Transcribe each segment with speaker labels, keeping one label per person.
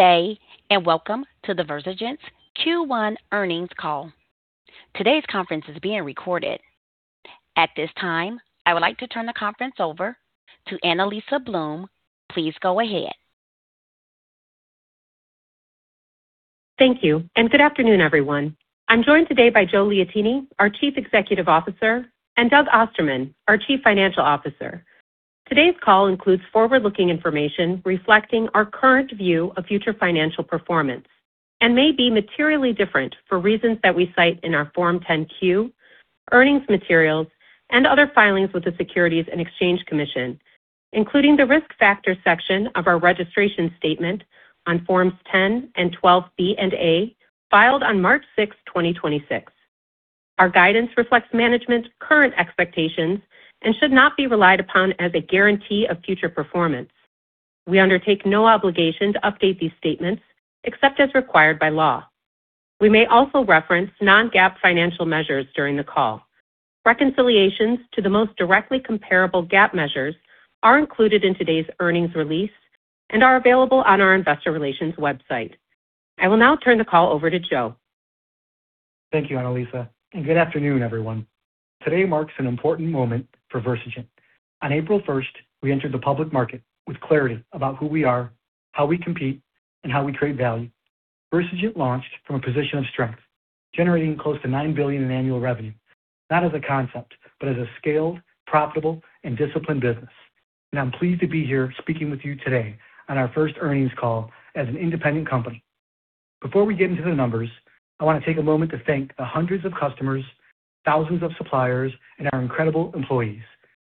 Speaker 1: Day, welcome to the Versigent Q1 earnings call. Today's conference is being recorded. At this time, I would like to turn the conference over to Annalisa Bluhm. Please go ahead.
Speaker 2: Thank you, and good afternoon, everyone. I'm joined today by Joe Liotine, our Chief Executive Officer, and Doug Ostermann, our Chief Financial Officer. Today's call includes forward-looking information reflecting our current view of future financial performance and may be materially different for reasons that we cite in our Form 10-Q, earnings materials, and other filings with the Securities and Exchange Commission, including the Risk Factors section of our registration statement on Forms 10-12B/A, filed on March 6, 2026. Our guidance reflects management's current expectations and should not be relied upon as a guarantee of future performance. We undertake no obligation to update these statements except as required by law. We may also reference non-GAAP financial measures during the call. Reconciliations to the most directly comparable GAAP measures are included in today's earnings release and are available on our investor relations website. I will now turn the call over to Joe.
Speaker 3: Thank you, Annalisa. Good afternoon, everyone. Today marks an important moment for Versigent. On April 1st, we entered the public market with clarity about who we are, how we compete, and how we create value. Versigent launched from a position of strength, generating close to $9 billion in annual revenue, not as a concept, but as a scaled, profitable, and disciplined business. I'm pleased to be here speaking with you today on our first earnings call as an independent company. Before we get into the numbers, I wanna take a moment to thank the hundreds of customers, thousands of suppliers, and our incredible employees,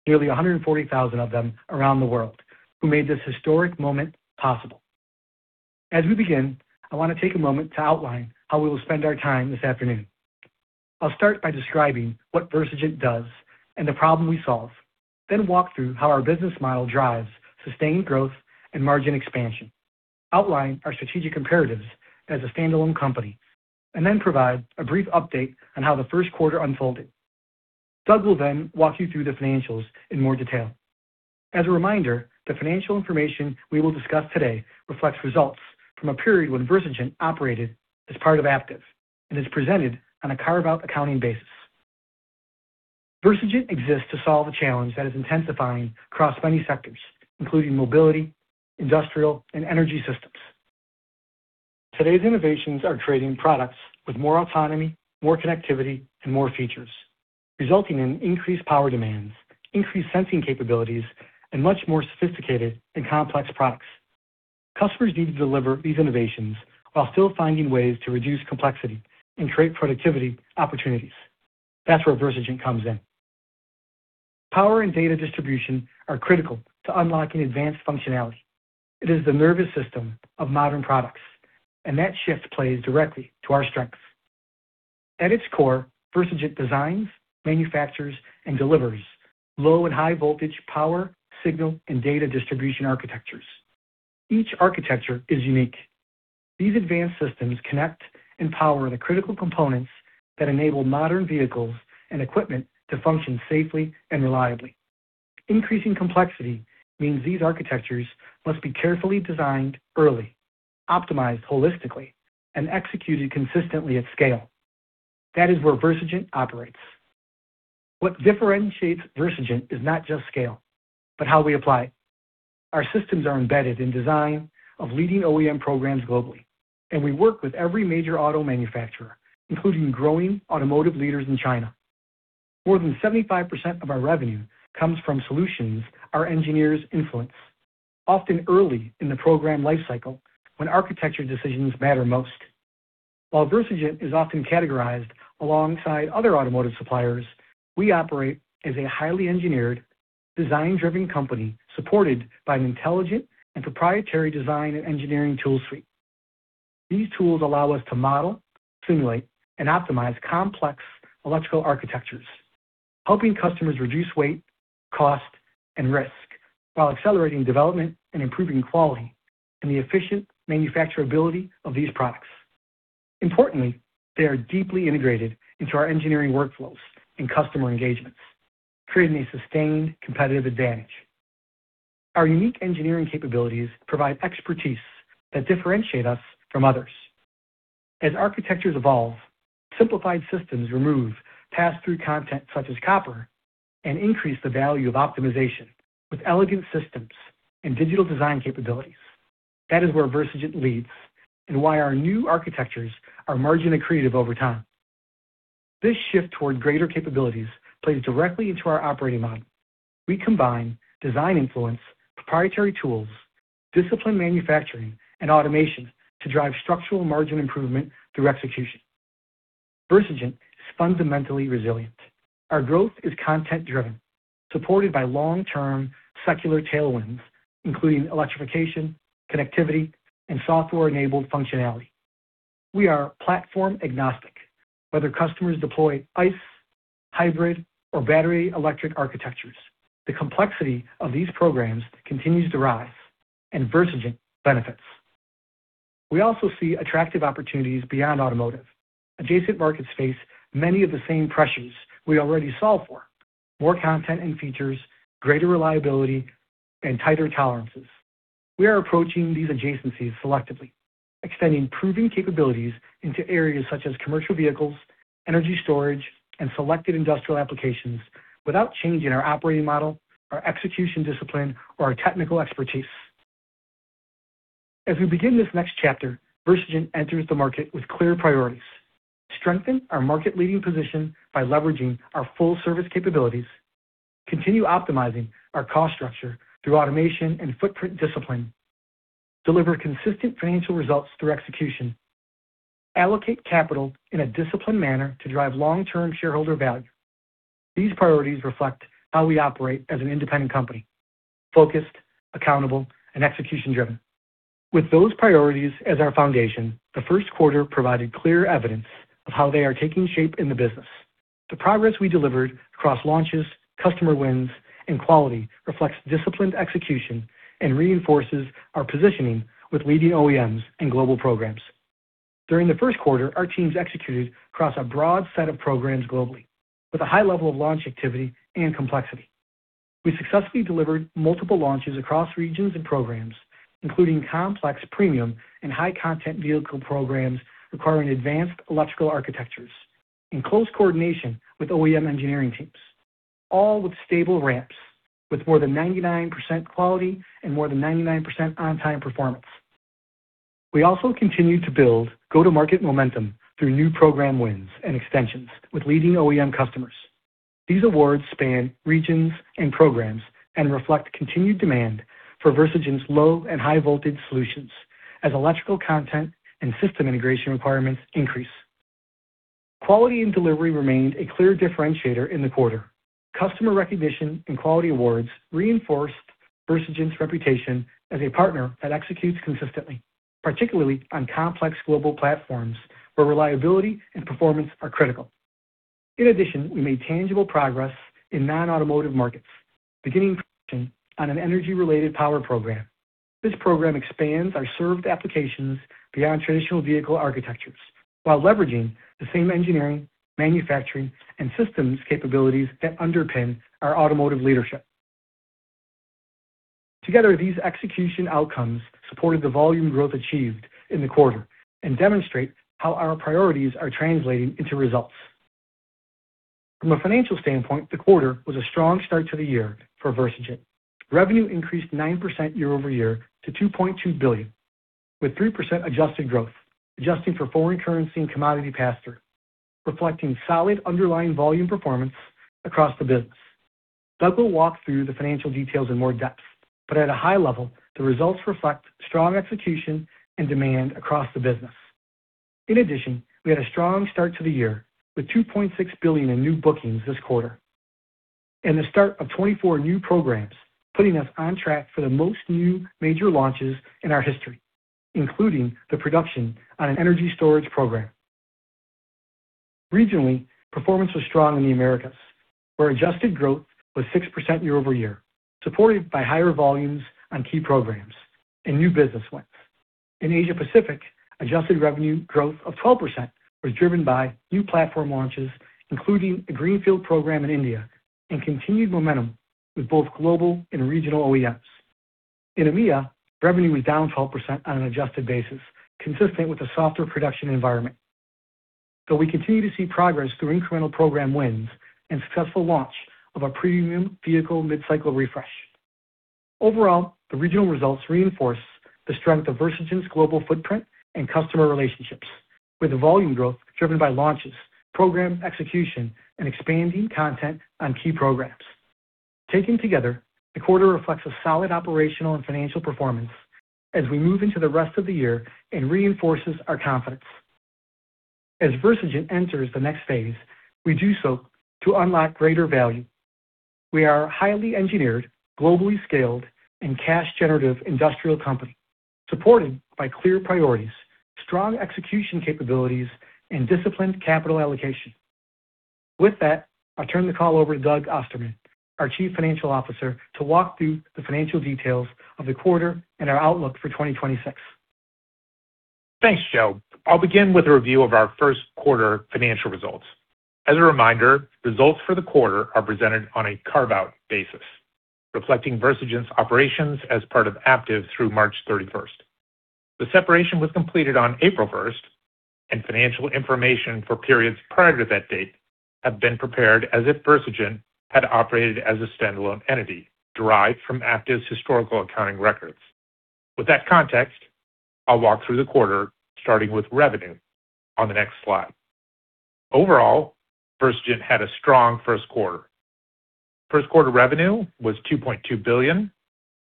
Speaker 3: nearly 140,000 of them around the world, who made this historic moment possible. As we begin, I wanna take a moment to outline how we will spend our time this afternoon. I'll start by describing what Versigent does and the problem we solve, then walk through how our business model drives sustained growth and margin expansion, outline our strategic imperatives as a standalone company. And then provide a brief update on how the first quarter unfolded. Doug will then walk you through the financials in more detail. As a reminder, the financial information we will discuss today reflects results from a period when Versigent operated as part of Aptiv and is presented on a carve-out accounting basis. Versigent exists to solve a challenge that is intensifying across many sectors, including mobility, industrial, and energy systems. Today's innovations are creating products with more autonomy, more connectivity, and more features, resulting in increased power demands, increased sensing capabilities, and much more sophisticated and complex products. Customers need to deliver these innovations while still finding ways to reduce complexity and create productivity opportunities. That's where Versigent comes in. Power and data distribution are critical to unlocking advanced functionality. It is the nervous system of modern products, and that shift plays directly to our strengths. At its core, Versigent designs, manufactures, and delivers low- and high-voltage power, signal, and data distribution architectures. Each architecture is unique. These advanced systems connect and power the critical components that enable modern vehicles and equipment to function safely and reliably. Increasing complexity means these architectures must be carefully designed early, optimized holistically, and executed consistently at scale. That is where Versigent operates. What differentiates Versigent is not just scale, but how we apply it. Our systems are embedded in design of leading OEM programs globally, and we work with every major auto manufacturer, including growing automotive leaders in China. More than 75% of our revenue comes from solutions our engineers influence, often early in the program lifecycle when architecture decisions matter most. While Versigent is often categorized alongside other automotive suppliers. We operate as a highly engineered, design-driven company supported by an intelligent and proprietary design and engineering tool suite. These tools allow us to model, simulate, and optimize complex electrical architectures, helping customers reduce weight, cost, and risk. While accelerating development and improving quality and the efficient manufacturability of these products. Importantly, they are deeply integrated into our engineering workflows and customer engagements, creating a sustained competitive advantage. Our unique engineering capabilities provide expertise that differentiate us from others. As architectures evolve, simplified systems remove pass-through content such as copper and increase the value of optimization with elegant systems and digital design capabilities. That is where Versigent leads and why our new architectures are margin accretive over time. This shift toward greater capabilities plays directly into our operating model. We combine design influence, proprietary tools, disciplined manufacturing, and Automation to drive structural margin improvement through execution. Versigent is fundamentally resilient. Our growth is content-driven, supported by long-term secular tailwinds, including electrification, connectivity, and software-enabled functionality. We are platform agnostic. Whether customers deploy ICE, hybrid, or battery electric architectures. The complexity of these programs continues to rise, and Versigent benefits. We also see attractive opportunities beyond automotive. Adjacent markets face many of the same pressures we already solve for. More content and features, greater reliability, and tighter tolerances. We are approaching these adjacencies selectively, extending proven capabilities into areas such as commercial vehicles, energy storage, and selected industrial applications without changing our operating model, our execution discipline, or our technical expertise. As we begin this next chapter, Versigent enters the market with clear priorities. Strengthen our market leading position by leveraging our full service capabilities. Continue optimizing our cost structure through Automation and footprint discipline. Deliver consistent financial results through execution. Allocate capital in a disciplined manner to drive long-term shareholder value. These priorities reflect how we operate as an independent company: focused, accountable, and execution-driven. With those priorities as our foundation, the first quarter provided clear evidence of how they are taking shape in the business. The progress we delivered across launches, customer wins, and quality reflects disciplined execution and reinforces our positioning with leading OEMs and global programs. During the first quarter, our teams executed across a broad set of programs globally with a high level of launch activity and complexity. We successfully delivered multiple launches across regions and programs, including complex premium and high content vehicle programs requiring advanced electrical architectures in close coordination with OEM engineering teams, all with stable ramps, with more than 99% quality and more than 99% on-time performance. We also continue to build go-to-market momentum through new program wins and extensions with leading OEM customers. These awards span regions and programs and reflect continued demand for Versigent's low- and high-voltage solutions as electrical content and system integration requirements increase. Quality and delivery remained a clear differentiator in the quarter. Customer recognition and quality awards reinforced Versigent's reputation as a partner that executes consistently. Particularly on complex global platforms where reliability and performance are critical. In addition, we made tangible progress in non-automotive markets, beginning production on an energy-related power program. This program expands our served applications beyond traditional vehicle architectures while leveraging the same engineering, manufacturing, and systems capabilities that underpin our automotive leadership. Together, these execution outcomes supported the volume growth achieved in the quarter and demonstrate how our priorities are translating into results. From a financial standpoint, the quarter was a strong start to the year for Versigent. Revenue increased 9% year-over-year to $2.2 billion, with 3% adjusted growth, adjusting for foreign currency and commodity pass-through. Reflecting solid underlying volume performance across the business. Doug will walk through the financial details in more depth, but at a high level, the results reflect strong execution and demand across the business. In addition, we had a strong start to the year with $2.6 billion in new bookings this quarter. And the start of 24 new programs, putting us on track for the most new major launches in our history, including the production on an energy storage program. Regionally, performance was strong in the Americas, where adjusted growth was 6% year-over-year, supported by higher volumes on key programs and new business wins. In Asia Pacific, adjusted revenue growth of 12% was driven by new platform launches, including a greenfield program in India and continued momentum with both global and regional OEMs. In EMEA, revenue was down 12% on an adjusted basis, consistent with a softer production environment. Though we continue to see progress through incremental program wins and successful launch of our premium vehicle mid-cycle refresh. Overall, the regional results reinforce the strength of Versigent's global footprint and customer relationships with volume growth driven by launches, program execution, and expanding content on key programs. Taken together, the quarter reflects a solid operational and financial performance as we move into the rest of the year and reinforces our confidence. As Versigent enters the next phase, we do so to unlock greater value. We are a highly engineered, globally scaled, and cash generative industrial company. Supported by clear priorities, strong execution capabilities, and disciplined capital allocation. With that I'll turn the call over to Doug Ostermann, our Chief Financial Officer, to walk through the financial details of the quarter and our outlook for 2026.
Speaker 4: Thanks, Joe. I'll begin with a review of our first quarter financial results. As a reminder, results for the quarter are presented on a carve-out basis, reflecting Versigent's operations as part of Aptiv through March 31st. The separation was completed on April 1st, and financial information for periods prior to that date have been prepared as if Versigent had operated as a standalone entity derived from Aptiv's historical accounting records. With that context, I'll walk through the quarter starting with revenue on the next slide. Overall, Versigent had a strong first quarter. First quarter revenue was $2.2 billion,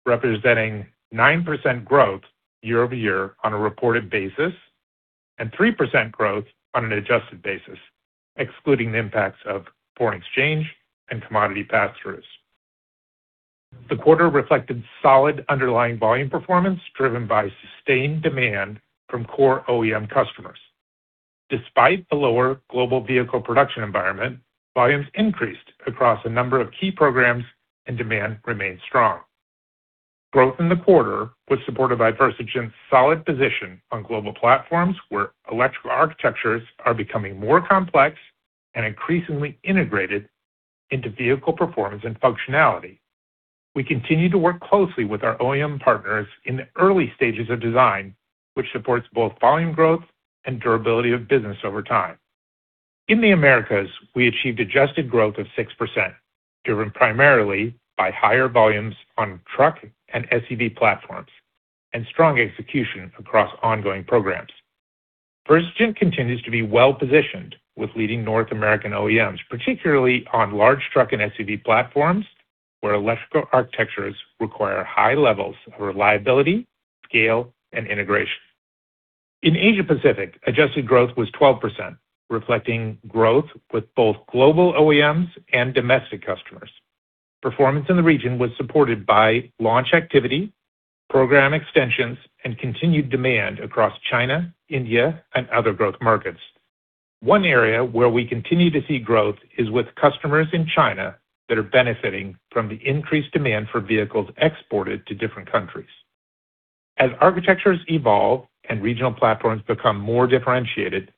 Speaker 4: representing 9% growth year-over-year on a reported basis, and 3% growth on an adjusted basis. Excluding the impacts of foreign exchange and commodity pass-throughs. The quarter reflected solid underlying volume performance driven by sustained demand from core OEM customers. Despite the lower global vehicle production environment, volumes increased across a number of key programs and demand remained strong. Growth in the quarter was supported by Versigent's solid position on global platforms where electrical architectures are becoming more complex and increasingly integrated into vehicle performance and functionality. We continue to work closely with our OEM partners in the early stages of design, which supports both volume growth and durability of business over time. In the Americas, we achieved adjusted growth of 6%, driven primarily by higher volumes on truck and SUV platforms and strong execution across ongoing programs. Versigent continues to be well-positioned with leading North American OEMs, particularly on large truck and SUV platforms, where electrical architectures require high levels of reliability, scale, and integration. In Asia Pacific, adjusted growth was 12%, reflecting growth with both global OEMs and domestic customers. Performance in the region was supported by launch activity, program extensions, and continued demand across China, India, and other growth markets. One area where we continue to see growth is with customers in China that are benefiting from the increased demand for vehicles exported to different countries. As architectures evolve and regional platforms become more differentiated,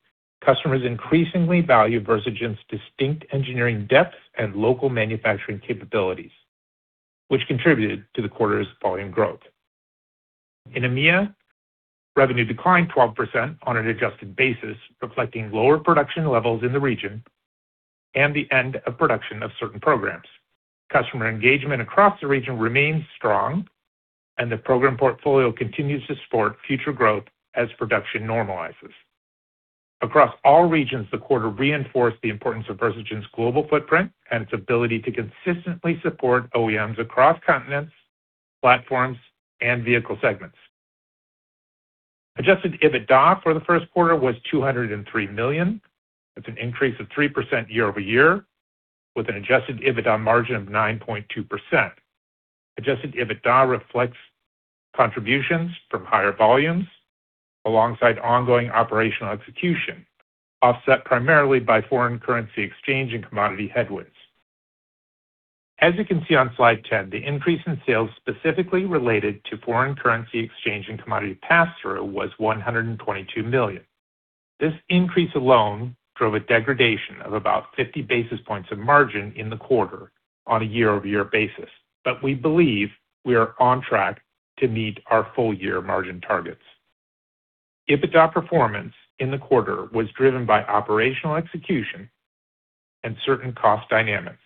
Speaker 4: customers increasingly value Versigent's distinct engineering depth and local manufacturing capabilities, which contributed to the quarter's volume growth. In EMEA, revenue declined 12% on an adjusted basis, reflecting lower production levels in the region and the end of production of certain programs. Customer engagement across the region remains strong, and the program portfolio continues to support future growth as production normalizes. Across all regions, the quarter reinforced the importance of Versigent's global footprint and its ability to consistently support OEMs across continents, platforms, and vehicle segments. Adjusted EBITDA for the first quarter was $203 million. That's an increase of 3% year-over-year, with an Adjusted EBITDA margin of 9.2%. Adjusted EBITDA reflects contributions from higher volumes alongside ongoing operational execution, offset primarily by foreign currency exchange and commodity headwinds. As you can see on slide 10, the increase in sales specifically related to foreign currency exchange and commodity pass-through was $122 million. This increase alone drove a degradation of about 50 basis points of margin in the quarter on a year-over-year basis. We believe we are on track to meet our full year margin targets. EBITDA performance in the quarter was driven by operational execution and certain cost dynamics,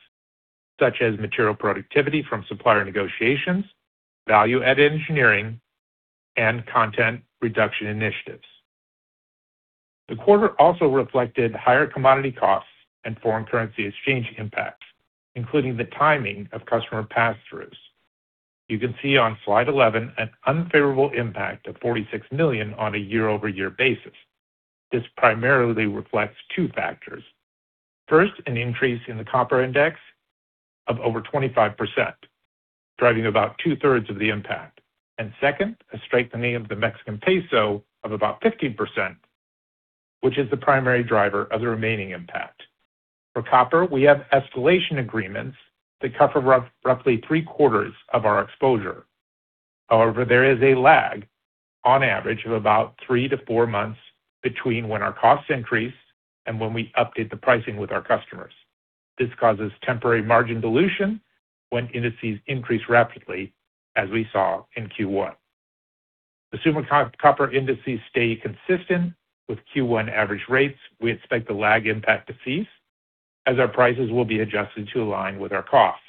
Speaker 4: such as material productivity from supplier negotiations, value-added engineering, and content reduction initiatives. The quarter also reflected higher commodity costs and foreign currency exchange impacts, including the timing of customer pass-throughs. You can see on slide 11 an unfavorable impact of $46 million on a year-over-year basis. This primarily reflects two factors. First, an increase in the copper index of over 25%, driving about 2/3 of the impact. Second, a strengthening of the Mexican peso of about 15%, which is the primary driver of the remaining impact. For copper, we have escalation agreements that cover roughly 3/4 of our exposure. However, there is a lag on average of about 3 months-4 months between when our costs increase and when we update the pricing with our customers. This causes temporary margin dilution when indices increase rapidly as we saw in Q1. Assume copper indices stay consistent with Q1 average rates, we expect the lag impact to cease as our prices will be adjusted to align with our costs.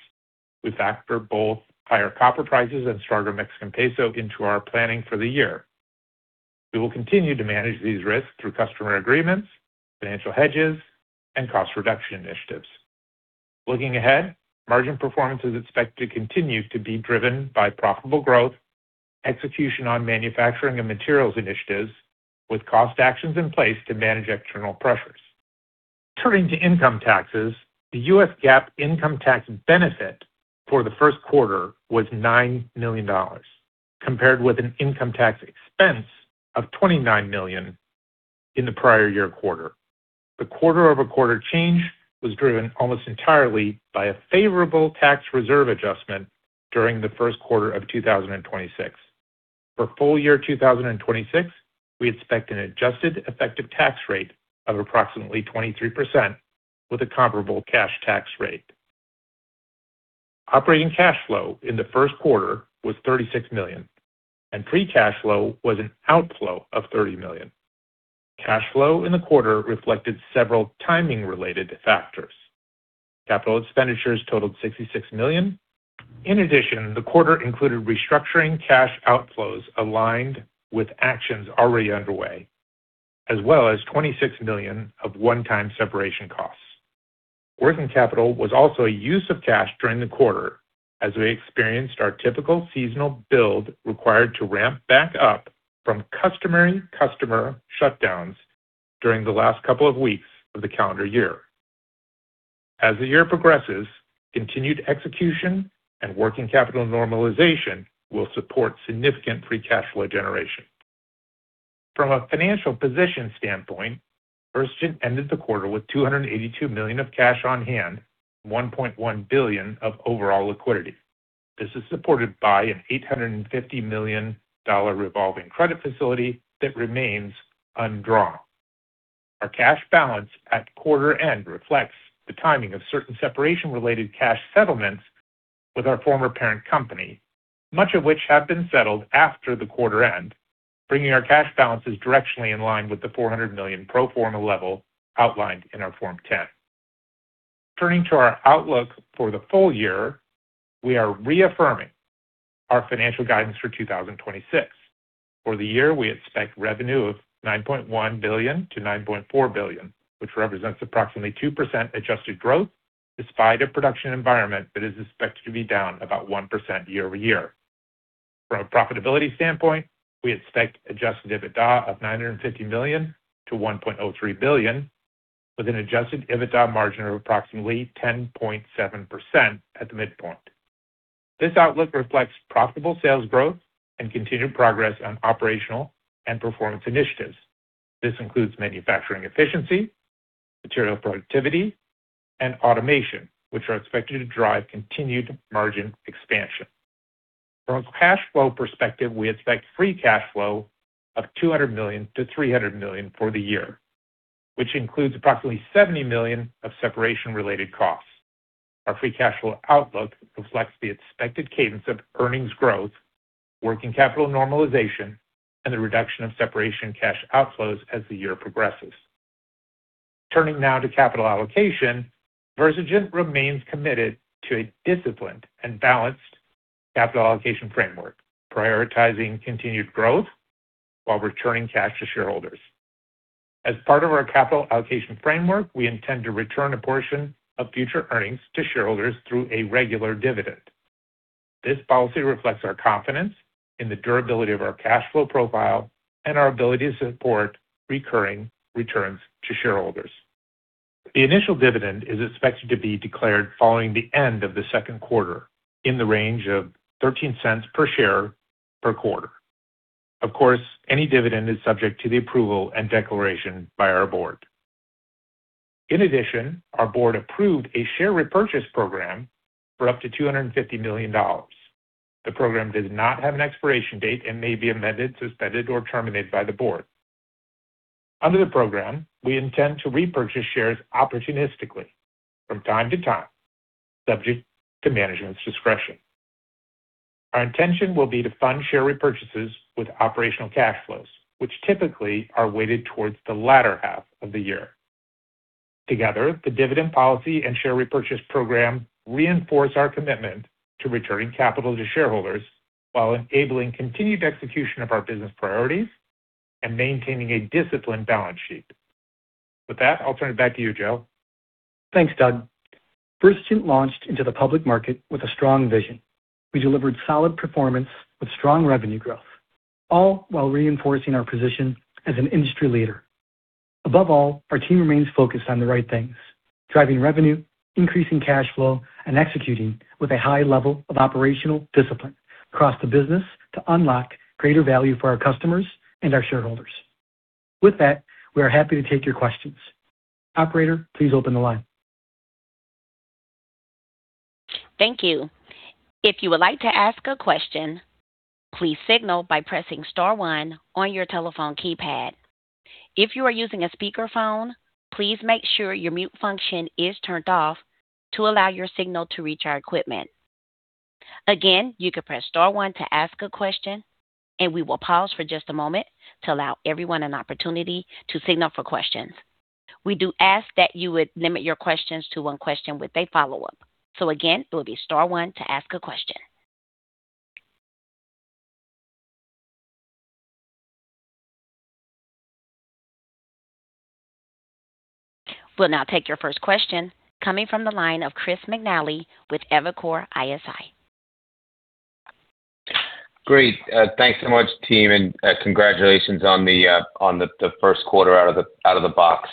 Speaker 4: We factor both higher copper prices and stronger Mexican peso into our planning for the year. We will continue to manage these risks through customer agreements, financial hedges, and cost reduction initiatives. Looking ahead, margin performance is expected to continue to be driven by profitable growth, execution on manufacturing and materials initiatives with cost actions in place to manage external pressures. Turning to income taxes, the U.S. GAAP income tax benefit for the first quarter was $9 million, compared with an income tax expense of $29 million in the prior year quarter. The quarter-over-quarter change was driven almost entirely by a favorable tax reserve adjustment during the first quarter of 2026. For full year 2026, we expect an adjusted effective tax rate of approximately 23% with a comparable cash tax rate. Operating cash flow in the first quarter was $36 million, and free cash flow was an outflow of $30 million. Cash flow in the quarter reflected several timing-related factors. Capital expenditures totaled $66 million. In addition, the quarter included restructuring cash outflows aligned with actions already underway, as well as $26 million of one-time separation costs. Working capital was also a use of cash during the quarter as we experienced our typical seasonal build required to ramp back up from customary customer shutdowns during the last couple of weeks of the calendar year. As the year progresses, continued execution and working capital normalization will support significant free cash flow generation. From a financial position standpoint, Versigent ended the quarter with $282 million of cash on hand, $1.1 billion of overall liquidity. This is supported by an $850 million revolving credit facility that remains undrawn. Our cash balance at quarter end reflects the timing of certain separation-related cash settlements with our former parent company, much of which have been settled after the quarter end, bringing our cash balances directly in line with the $400 million pro forma level outlined in our Form 10. Turning to our outlook for the full year, we are reaffirming our financial guidance for 2026. For the year, we expect revenue of $9.1 billion-$9.4 billion, which represents approximately 2% adjusted growth despite a production environment that is expected to be down about 1% year-over-year. From a profitability standpoint, we expect Adjusted EBITDA of $950 million-$1.03 billion, with an Adjusted EBITDA margin of approximately 10.7% at the midpoint. This outlook reflects profitable sales growth and continued progress on operational and performance initiatives. This includes manufacturing efficiency, material productivity, and Automation, which are expected to drive continued margin expansion. From a cash flow perspective, we expect free cash flow of $200 million-$300 million for the year, which includes approximately $70 million of separation-related costs. Our free cash flow outlook reflects the expected cadence of earnings growth, working capital normalization, and the reduction of separation cash outflows as the year progresses. Turning now to capital allocation, Versigent remains committed to a disciplined and balanced capital allocation framework, prioritizing continued growth while returning cash to shareholders. As part of our capital allocation framework, we intend to return a portion of future earnings to shareholders through a regular dividend. This policy reflects our confidence in the durability of our cash flow profile and our ability to support recurring returns to shareholders. The initial dividend is expected to be declared following the end of the second quarter in the range of $0.13 per share per quarter. Of course, any dividend is subject to the approval and declaration by our Board. In addition, our Board approved a share repurchase program for up to $250 million. The program does not have an expiration date and may be amended, suspended, or terminated by the Board. Under the program, we intend to repurchase shares opportunistically from time to time, subject to management's discretion. Our intention will be to fund share repurchases with operational cash flows, which typically are weighted towards the latter half of the year. Together, the dividend policy and share repurchase program reinforce our commitment to returning capital to shareholders while enabling continued execution of our business priorities and maintaining a disciplined balance sheet. With that, I'll turn it back to you, Joe.
Speaker 3: Thanks, Doug. Versigent launched into the public market with a strong vision. We delivered solid performance with strong revenue growth, all while reinforcing our position as an industry leader. Above all, our team remains focused on the right things, driving revenue, increasing cash flow, and executing with a high level of operational discipline across the business to unlock greater value for our customers and our shareholders. With that, we are happy to take your questions. Operator, please open the line.
Speaker 1: Thank you. If you would like to ask a question, please signal by pressing star one on your telephone keypad. If you are using a speakerphone, please make sure your mute function is turned off to allow your signal to reach our equipment. Again, you can press star one to ask a question, and we will pause for just a moment to allow everyone an opportunity to signal for questions. We do ask that you would limit your questions to one question with a follow-up. Again, it will be star one to ask a question. We will now take your first question coming from the line of Chris McNally with Evercore ISI.
Speaker 5: Great. Thanks so much, team, and congratulations on the first quarter out of the box.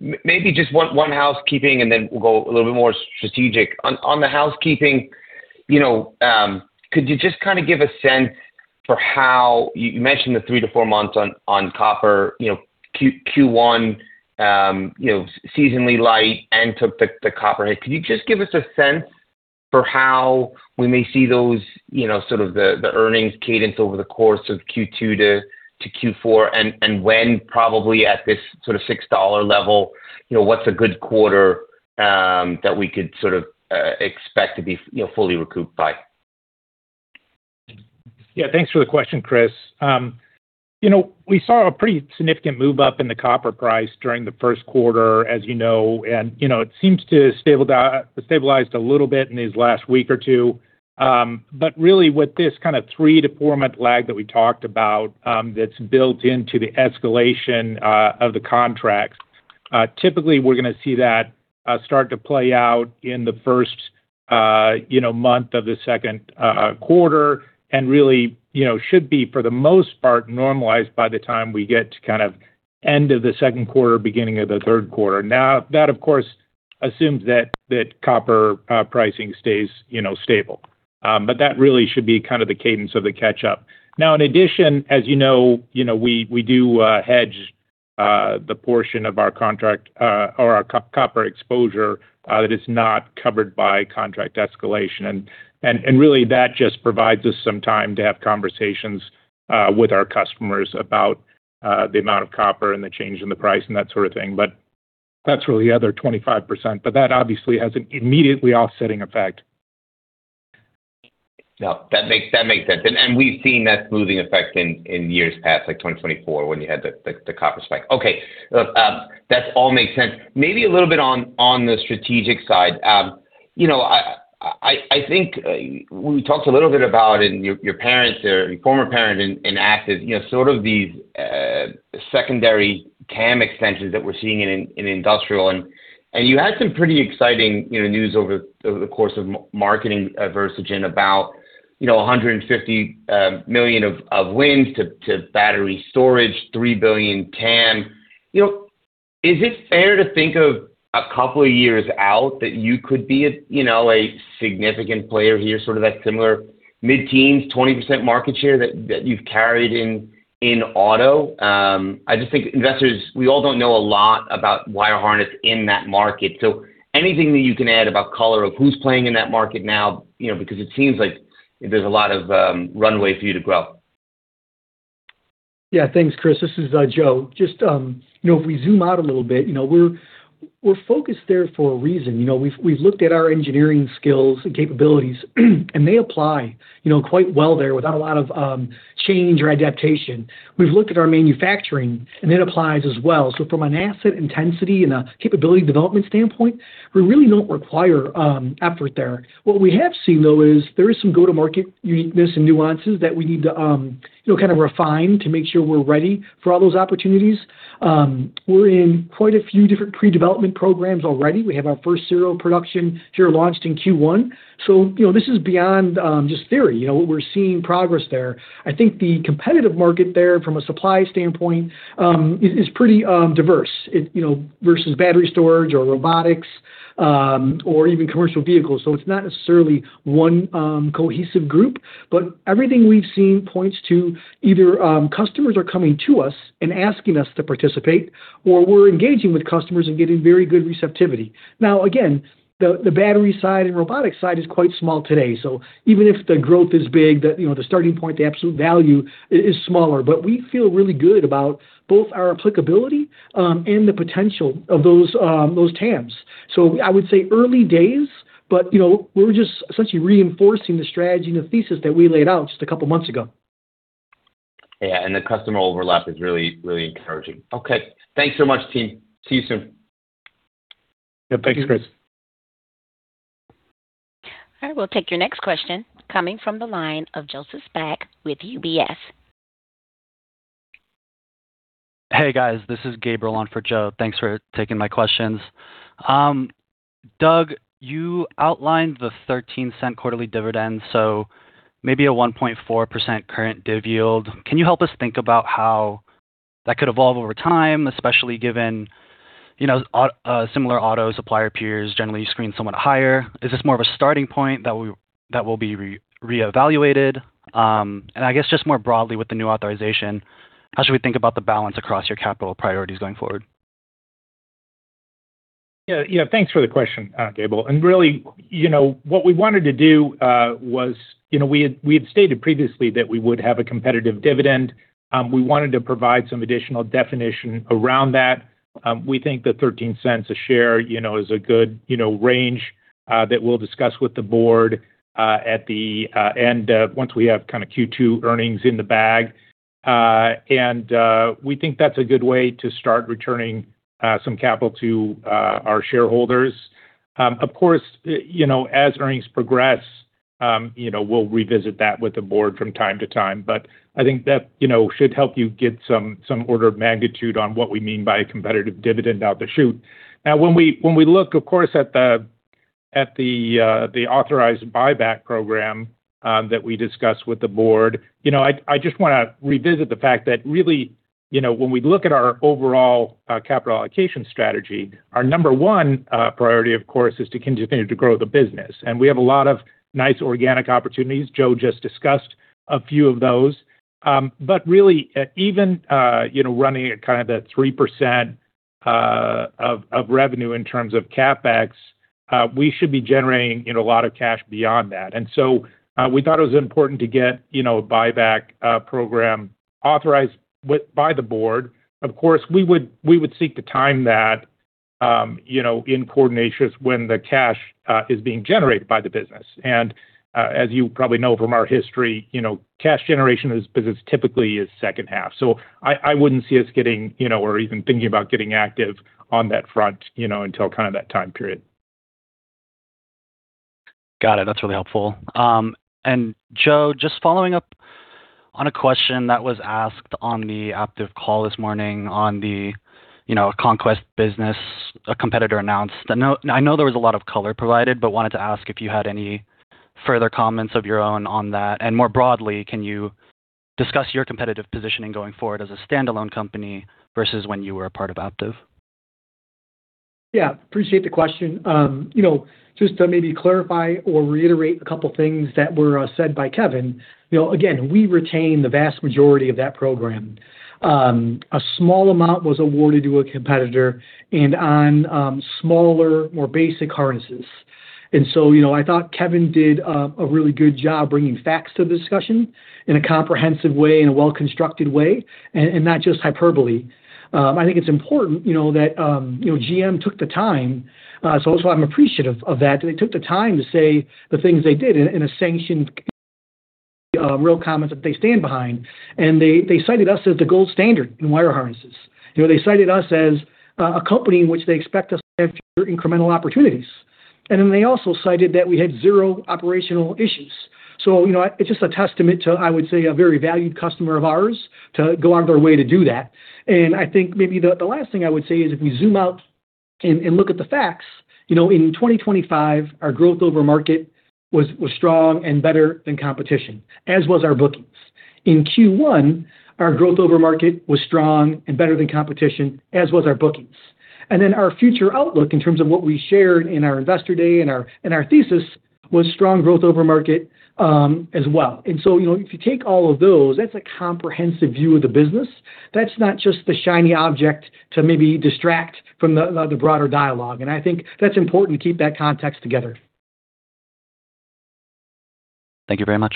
Speaker 5: Maybe just one housekeeping, and then we'll go a little bit more strategic. On the housekeeping, you know, could you just kind of give a sense for how you mentioned the 3 months-4 months on copper, you know, Q1, seasonally light and to the copper hit? Could you just give us a sense for how we may see those, you know, sort of the earnings cadence over the course of Q2-Q4? When probably at this sort of $6 level, you know, what's a good quarter that we could sort of expect to be, you know, fully recouped by?
Speaker 4: Yeah. Thanks for the question, Chris. You know, we saw a pretty significant move up in the copper price during the first quarter, as you know, and, you know, it seems to stabilized a little bit in these last week or two. Really with this kind of 3- to 4-month lag that we talked about, that's built into the escalation of the contracts, typically we're gonna see that start to play out in the first, you know, month of the second quarter. Really, you know, should be, for the most part, normalized by the time we get to kind of end of the second quarter, beginning of the third quarter. Now that, of course. Assumes that copper pricing stays, you know, stable. That really should be kind of the cadence of the catch-up. Now, in addition, as you know, you know, we do hedge the portion of our or our copper exposure that is not covered by contract escalation. Really that just provides us some time to have conversations with our customers about the amount of copper and the change in the price and that sort of thing. That's really the other 25%, that obviously has an immediately offsetting effect.
Speaker 5: No, that makes sense. We've seen that smoothing effect in years past, like 2024 when you had the copper spike. Okay. Look, that all makes sense. Maybe a little bit on the strategic side. You know, I think we talked a little bit about in your former parent in Aptiv, you know, sort of these secondary TAM extensions that we're seeing in industrial and you had some pretty exciting. You know, news over the course of marketing Versigent about, you know, $150 million of wins to battery storage, $3 billion TAM. You know, is it fair to think of couple years out that you could be, you know, a significant player here, sort of that similar mid-teens, 20% market share that you've carried in auto? I just think investors, we all don't know a lot about wire harness in that market. Anything that you can add about color of who's playing in that market now, you know, because it seems like there's a lot of runway for you to grow?
Speaker 3: Thanks, Chris. This is Joe. You know, if we zoom out a little bit, you know, we're focused there for a reason. You know, we've looked at our engineering skills and capabilities, and they apply, you know, quite well there without a lot of change or adaptation. We've looked at our manufacturing, and that applies as well. From an asset intensity and a capability development standpoint, we really don't require effort there. What we have seen though is there is some go-to-market uniqueness and nuances that we need to, you know, kind of refine to make sure we're ready for all those opportunities. We're in quite a few different pre-development programs already. We have our first serial production here launched in Q1. You know, this is beyond just theory. You know, we're seeing progress there. I think the competitive market there from a supply standpoint is pretty diverse. You know, versus battery storage or robotics or even commercial vehicles. It's not necessarily one cohesive group, but everything we've seen points to either customers are coming to us and asking us to participate, or we're engaging with customers and getting very good receptivity. Now again, the battery side and robotics side is quite small today. Even if the growth is big, the, you know, the starting point, the absolute value is smaller. We feel really good about both our applicability and the potential of those TAMs. I would say early days, but you know, we're just essentially reinforcing the strategy and the thesis that we laid out just a couple months ago.
Speaker 4: Yeah. The customer overlap is really, really encouraging.
Speaker 5: Okay. Thanks so much, team. See you soon.
Speaker 4: Yeah. Thanks, Chris.
Speaker 3: Thank you.
Speaker 1: All right. We'll take your next question coming from the line of Joseph Spak with UBS.
Speaker 6: Hey, guys, this is Gabriel on for Joseph. Thanks for taking my questions. Doug, you outlined the $0.13 quarterly dividend, so maybe a 1.4% current div yield. Can you help us think about how that could evolve over time, especially given, you know, similar auto supplier peers generally screen somewhat higher? Is this more of a starting point that will be re-reevaluated? I guess just more broadly with the new authorization. How should we think about the balance across your capital priorities going forward?
Speaker 4: Yeah. Thanks for the question, Gabriel. Really, you know, what we wanted to do was, you know, we had stated previously that we would have a competitive dividend. We wanted to provide some additional definition around that. We think that $0.13 a share, you know, is a good, you know, range that we'll discuss with the Board at the end once we have kind of Q2 earnings in the bag. We think that's a good way to start returning some capital to our shareholders. Of course, you know, as earnings progress, you know, we'll revisit that with the board from time to time, but I think that, you know, should help you get some order of magnitude on what we mean by a competitive dividend out the shoot. When we look of course at the authorized buyback program that we discussed with the Board, you know, I just wanna revisit the fact that really, you know, when we look at our overall capital allocation strategy, our number one priority of course is to continue to grow the business. We have a lot of nice organic opportunities. Joe just discussed a few of those. Really, even, you know, running at kind of that 3% of revenue in terms of CapEx. We should be generating, you know, a lot of cash beyond that. We thought it was important to get, you know, a buyback program authorized by the Board. Of course, we would seek to time that, you know, in coordination with when the cash is being generated by the business. As you probably know from our history, you know, cash generation in this business typically is second half. I wouldn't see us getting, you know, or even thinking about getting Aptiv on that front, you know, until kind of that time period.
Speaker 6: Got it. That's really helpful. Joe, just following up on a question that was asked on the Aptiv call this morning on the, you know, conquest business, a competitor announced. I know there was a lot of color provided, wanted to ask if you had any further comments of your own on that. More broadly, discuss your competitive positioning going forward as a standalone company versus when you were a part of Aptiv?
Speaker 3: Yeah, appreciate the question. You know, just to maybe clarify or reiterate a couple things that were said by Kevin Clark. You know, again, we retain the vast majority of that program. A small amount was awarded to a competitor and on smaller, more basic harnesses. You know, I thought Kevin did a really good job bringing facts to the discussion in a comprehensive way, in a well-constructed way, and not just hyperbole. I think it's important, you know, that, you know, GM took the time, so I'm appreciative of that. They took the time to say the things they did in a sanctioned, real comments that they stand behind. They cited us as the gold standard in wire harnesses. You know, they cited us as a company in which they expect us to have future incremental opportunities. They also cited that we had zero operational issues. You know, it's just a testament to, I would say, a very valued customer of ours to go out of their way to do that. I think maybe the last thing I would say is, if we zoom out and look at the facts, you know. In 2025, our growth over market was strong and better than competition, as was our bookings. In Q1, our growth over market was strong and better than competition, as was our bookings. Our future outlook in terms of what we shared in our investor day and our thesis was strong growth over market as well. You know, if you take all of those, that's a comprehensive view of the business. That's not just the shiny object to maybe distract from the broader dialogue. I think that's important to keep that context together.
Speaker 6: Thank you very much.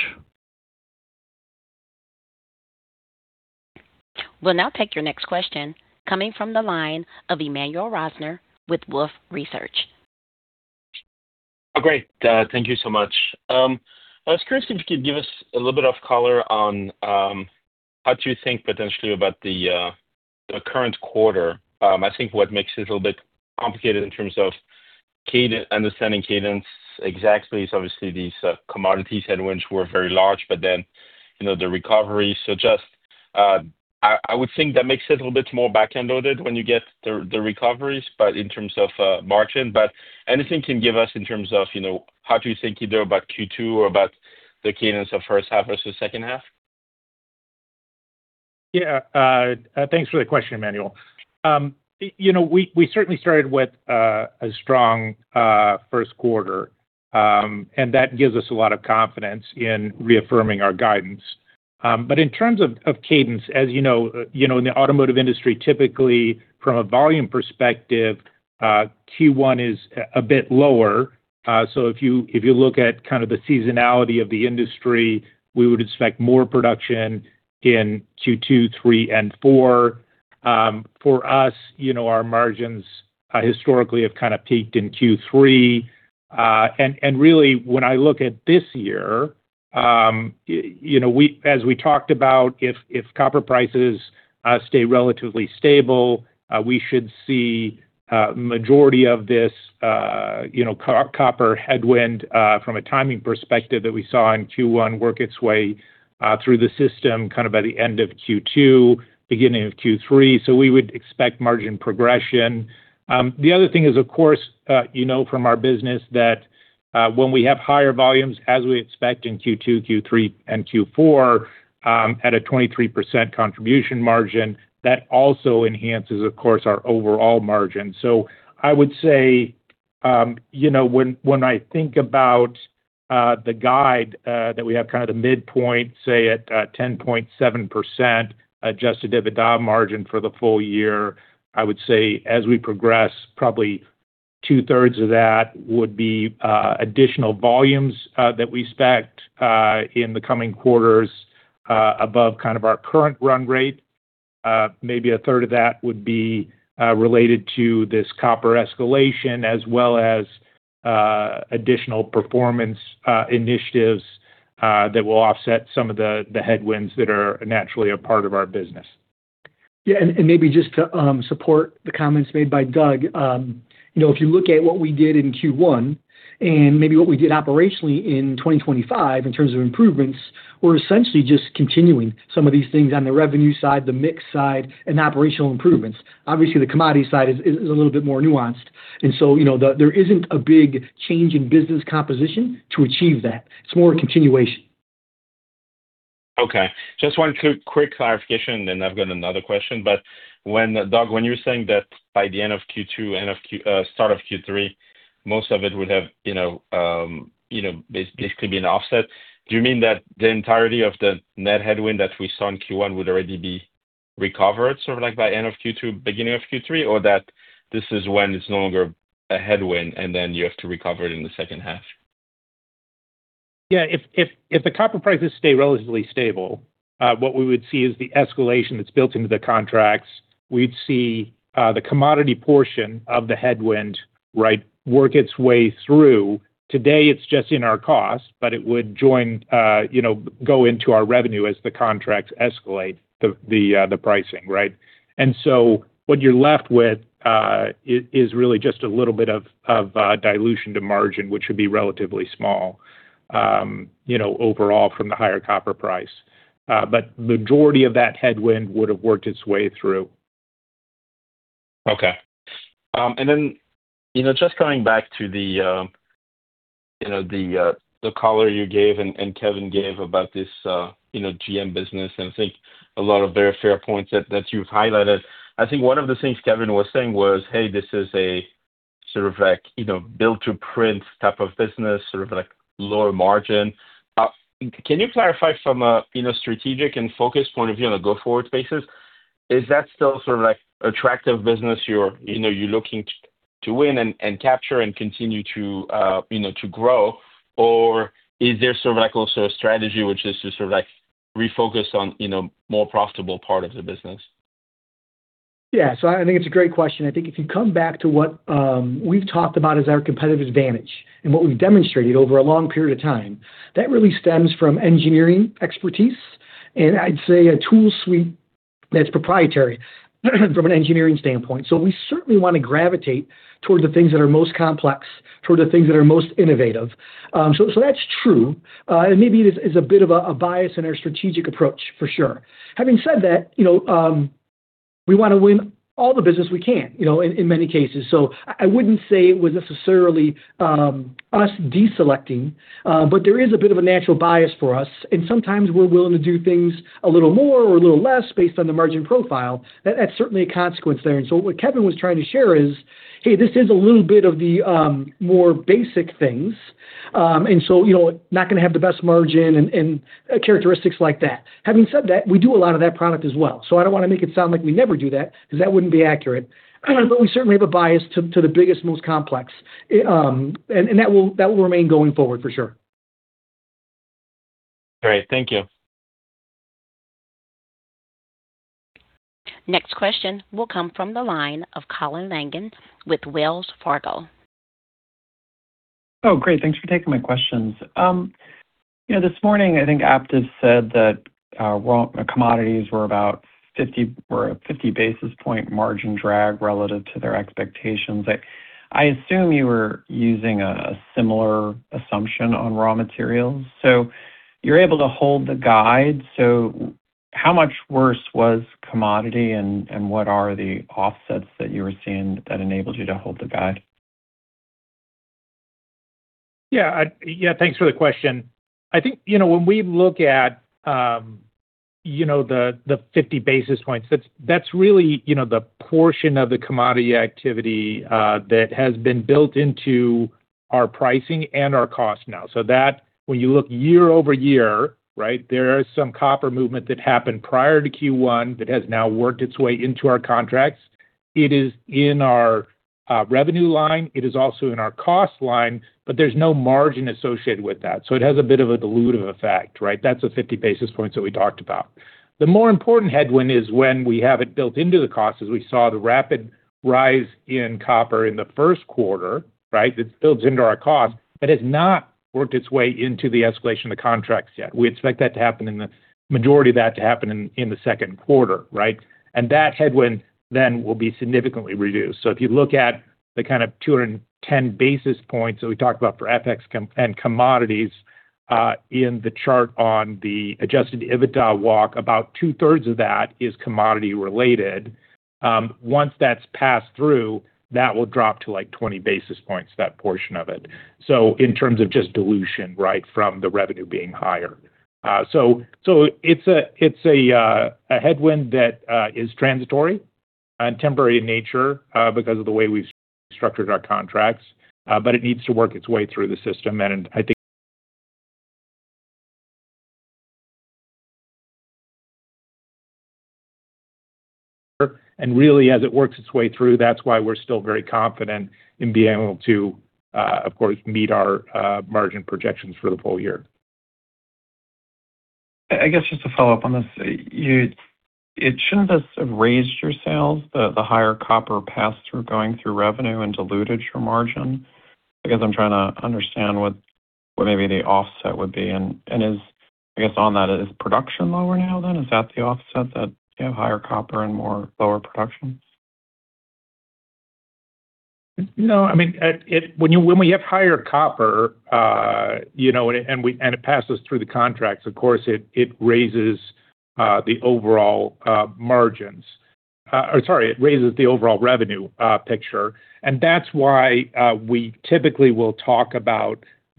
Speaker 1: We'll now take your next question coming from the line of Emmanuel Rosner with Wolfe Research.
Speaker 7: Great. Thank you so much. I was curious if you could give us a little bit of color on how to think potentially about the current quarter. I think what makes it a little bit complicated in terms of understanding cadence exactly is obviously these commodity headwinds were very large, then, you know, the recovery. I would think that makes it a little bit more back-end loaded when you get the recoveries, but in terms of margin. Anything can you give us in terms of, you know, how to think either about Q2 or about the cadence of first half versus second half?
Speaker 4: Thanks for the question, Emmanuel. You know, we certainly started with a strong first quarter, and that gives us a lot of confidence in reaffirming our guidance. In terms of cadence, as you know, you know, in the Automotive industry, typically from a volume perspective, Q1 is a bit lower. If you look at kind of the seasonality of the industry, we would expect more production in Q2, Q3 and Q4. For us, you know, our margins historically have kind of peaked in Q3. And really when I look at this year, you know, as we talked about, if copper prices stay relatively stable, we should see a majority of this, you know, copper headwind, from a timing perspective that we saw in Q1 work its way, through the system kind of by the end of Q2, beginning of Q3. We would expect margin progression. The other thing is, of course, you know, from our business that, when we have higher volumes as we expect in Q2, Q3 and Q4, at a 23% contribution margin, that also enhances of course our overall margin. I would say, you know, when I think about the guide that we have kind of the midpoint, say at 10.7% Adjusted EBITDA margin for the full year, I would say as we progress, probably 2/3 of that would be additional volumes that we expect in the coming quarters above kind of our current run rate. Maybe 1/3 of that would be related to this copper escalation as well as additional performance initiatives that will offset some of the headwinds that are naturally a part of our business.
Speaker 3: Yeah. Maybe just to support the comments made by Doug. You know, if you look at what we did in Q1 and maybe what we did operationally in 2025 in terms of improvements, we're essentially just continuing some of these things on the revenue side, the mix side and operational improvements. Obviously, the commodity side is a little bit more nuanced. You know, there isn't a big change in business composition to achieve that. It's more a continuation.
Speaker 7: Okay. Just one quick clarification, then I've got another question. When Doug, when you're saying that by the end of Q2 and start of Q3, most of it would have, you know, basically been offset. Do you mean that the entirety of the net headwind that we saw in Q1 would already be recovered? Sort of like by end of Q2, beginning of Q3? Or that this is when it's no longer a headwind and then you have to recover it in the second half?
Speaker 4: Yeah. If the copper prices stay relatively stable, what we would see is the escalation that's built into the contracts. We'd see the commodity portion of the headwind, right, work its way through. Today it's just in our cost, but it would join, you know, go into our revenue as the contracts escalate the pricing, right? What you're left with is really just a little bit of dilution to margin, which would be relatively small, you know, overall from the higher copper price. Majority of that headwind would have worked its way through.
Speaker 7: Okay. Then, you know, just going back to the color you gave and Kevin gave about this, you know, GM business and I think a lot of very fair points that you've highlighted. I think one of the things Kevin was saying was, Hey, this is a sort of like, you know, build-to-print type of business, sort of like lower margin. Can you clarify from, you know, strategic and focus point of view on a go-forward basis? Is that still sort of like attractive business you're, you know, you're looking to win and capture and continue to, you know, to grow? Or is there sort of like also a strategy which is to sort of like refocus on, you know, more profitable part of the business?
Speaker 3: Yeah. I think it's a great question. I think if you come back to what we've talked about as our competitive advantage and what we've demonstrated over a long period of time. That really stems from engineering expertise and I'd say a tool suite that's proprietary from an engineering standpoint. We certainly wanna gravitate towards the things that are most complex, toward the things that are most innovative. That's true. Maybe it is a bit of a bias in our strategic approach for sure. Having said that, you know, we wanna win all the business we can, you know, in many cases. I wouldn't say it was necessarily us deselecting. There is a bit of a natural bias for us, and sometimes we're willing to do things a little more or a little less based on the margin profile. That's certainly a consequence there. What Kevin was trying to share is, hey, this is a little bit of the more basic things. You know, not gonna have the best margin and characteristics like that. Having said that, we do a lot of that product as well, so I don't wanna make it sound like we never do that because that wouldn't be accurate. We certainly have a bias to the biggest, most complex. That will remain going forward for sure.
Speaker 7: Great. Thank you.
Speaker 1: Next question will come from the line of Colin Langan with Wells Fargo.
Speaker 8: Oh, great. Thanks for taking my questions. You know, this morning I think Aptiv said that raw commodities were about 50, or a 50 basis point margin drag relative to their expectations. I assume you were using a similar assumption on raw materials. You're able to hold the guide. How much worse was commodity and what are the offsets that you were seeing that enabled you to hold the guide?
Speaker 4: Yeah. Thanks for the question. I think, you know, when we look at, you know, the 50 basis points, that's really, you know, the portion of the commodity activity that has been built into our pricing and our cost now. That when you look year-over-year, right? There is some copper movement that happened prior to Q1 that has now worked its way into our contracts. It is in our revenue line, it is also in our cost line, there's no margin associated with that, it has a bit of a dilutive effect, right? That's the 50 basis points that we talked about. The more important headwind is when we have it built into the cost, as we saw the rapid rise in copper in the first quarter, right? It builds into our cost, but has not worked its way into the escalation of the contracts yet. We expect that to happen, majority of that to happen in the second quarter. That headwind will be significantly reduced. If you look at the kind of 210 basis points that we talked about for FX and commodities, in the chart on the adjusted EBITDA walk, about 2/3 of that is commodity related. Once that's passed through, that will drop to like 20 basis points, that portion of it. In terms of just dilution, from the revenue being higher. It's a headwind that is transitory and temporary in nature because of the way we've structured our contracts. It needs to work its way through the system and I think And really as it works its way through, that's why we're still very confident in being able to, of course, meet our margin projections for the full year.
Speaker 8: I guess just to follow up on this. It shouldn't this have raised your sales, the higher copper pass through going through revenue and diluted your margin? I guess I'm trying to understand what maybe the offset would be and is I guess on that, is production lower now then? Is that the offset that you have higher copper and more lower production?
Speaker 4: No, I mean, it. When we have higher copper, you know, and we and it passes through the contracts, of course, it raises the overall margins. Sorry, it raises the overall revenue picture. That's why we typically will talk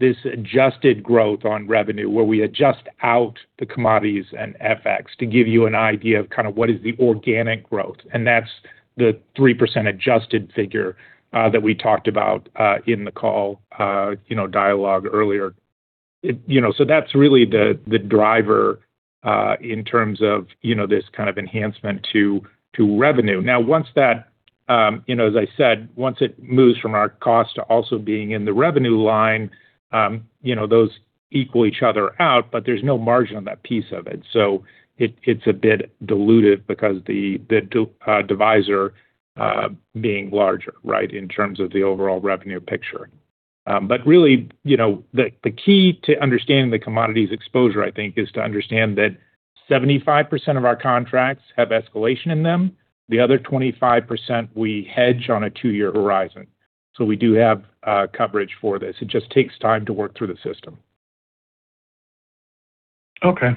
Speaker 4: about this adjusted growth on revenue where we adjust out the commodities and FX to give you an idea of kind of what is the organic growth, and that's the 3% adjusted figure that we talked about in the call, you know, dialogue earlier. You know, so that's really the driver in terms of, you know, this kind of enhancement to revenue. Once that, you know, as I said, once it moves from our cost to also being in the revenue line, you know, those equal each other out, but there's no margin on that piece of it. It's a bit diluted because the divisor being larger, right? In terms of the overall revenue picture. Really, you know, the key to understanding the commodities exposure, I think, is to understand that 75% of our contracts have escalation in them. The other 25% we hedge on a 2-year horizon. We do have coverage for this. It just takes time to work through the system.
Speaker 8: Okay.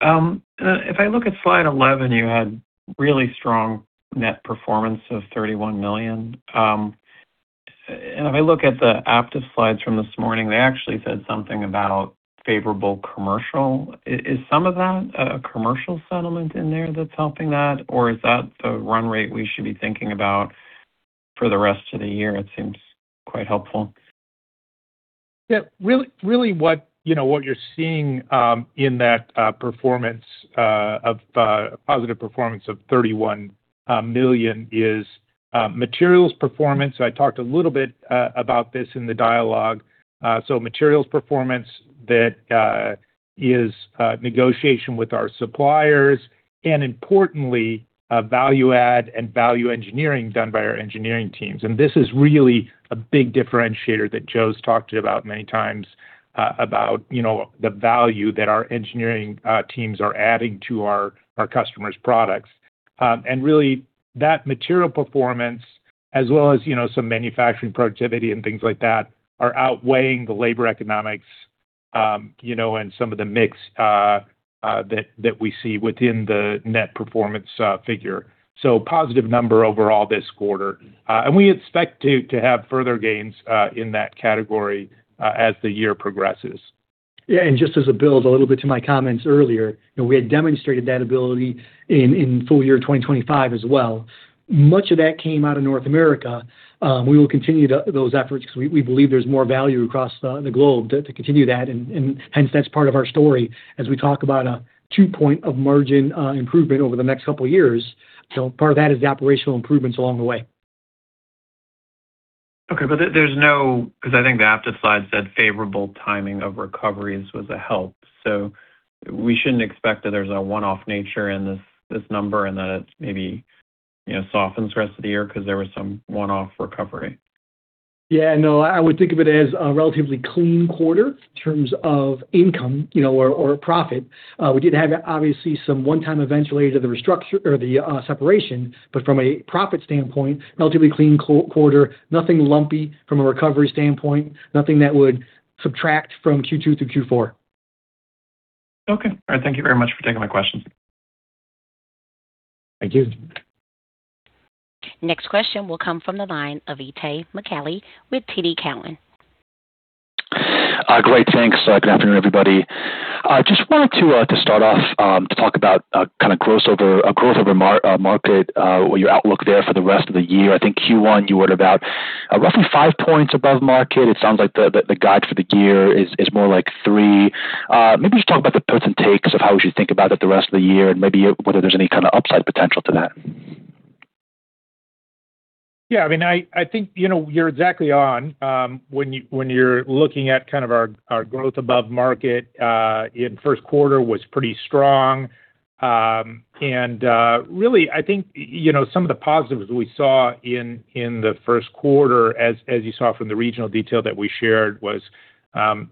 Speaker 8: If I look at slide 11, you had really strong net performance of $31 million. If I look at the Aptiv slides from this morning, they actually said something about favorable commercial. Is some of that a commercial settlement in there that's helping that? Is that the run rate we should be thinking about for the rest of the year? It seems quite helpful.
Speaker 4: Yeah. Really what, you know, what you're seeing in that performance of positive performance of $31 million is materials performance. I talked a little bit about this in the dialogue. Materials performance that is negotiation with our suppliers and importantly, value add and value engineering done by our engineering teams. This is really a big differentiator that Joe's talked about many times about, you know, the value that our engineering teams are adding to our customers' products. Really that material performance as well as, you know, some manufacturing productivity and things like that are outweighing the labor economics and some of the mix that we see within the net performance figure. Positive number overall this quarter. We expect to have further gains in that category as the year progresses.
Speaker 3: Yeah. Just as a build a little bit to my comments earlier, you know, we had demonstrated that ability in full year 2025 as well. Much of that came out of North America. We will continue to those efforts 'cause we believe there's more value across the globe to continue that. Hence that's part of our story as we talk about a 2 point of margin improvement over the next couple of years. Part of that is the operational improvements along the way.
Speaker 8: Okay, there's no because I think the Aptiv slide said favorable timing of recoveries was a help. We shouldn't expect that there's a one-off nature in this number, and that it maybe, you know, softens the rest of the year because there was some one-off recovery?
Speaker 3: No. I would think of it as a relatively clean quarter in terms of income, you know, or profit. We did have obviously some one-time events related to the separation. From a profit standpoint, relatively clean quarter. Nothing lumpy from a recovery standpoint. Nothing that would subtract from Q2 through Q4.
Speaker 8: Okay. All right. Thank you very much for taking my question.
Speaker 3: Thank you.
Speaker 1: Next question will come from the line of Itay Michaeli with TD Cowen.
Speaker 9: Great. Thanks. Good afternoon, everybody. I just wanted to start off to talk about kind of crossover growth over market, what your outlook there for the rest of the year. I think Q1 you were about roughly 5 points above market. It sounds like the guide for the year is more like 3 points. Maybe just talk about the puts and takes of how we should think about it the rest of the year and maybe whether there's any kind of upside potential to that?
Speaker 4: I mean, I think, you know, you're exactly on, when you're looking at kind of our growth above market in first quarter was pretty strong. Really, I think, you know, some of the positives we saw in the first quarter as you saw from the regional detail that we shared was,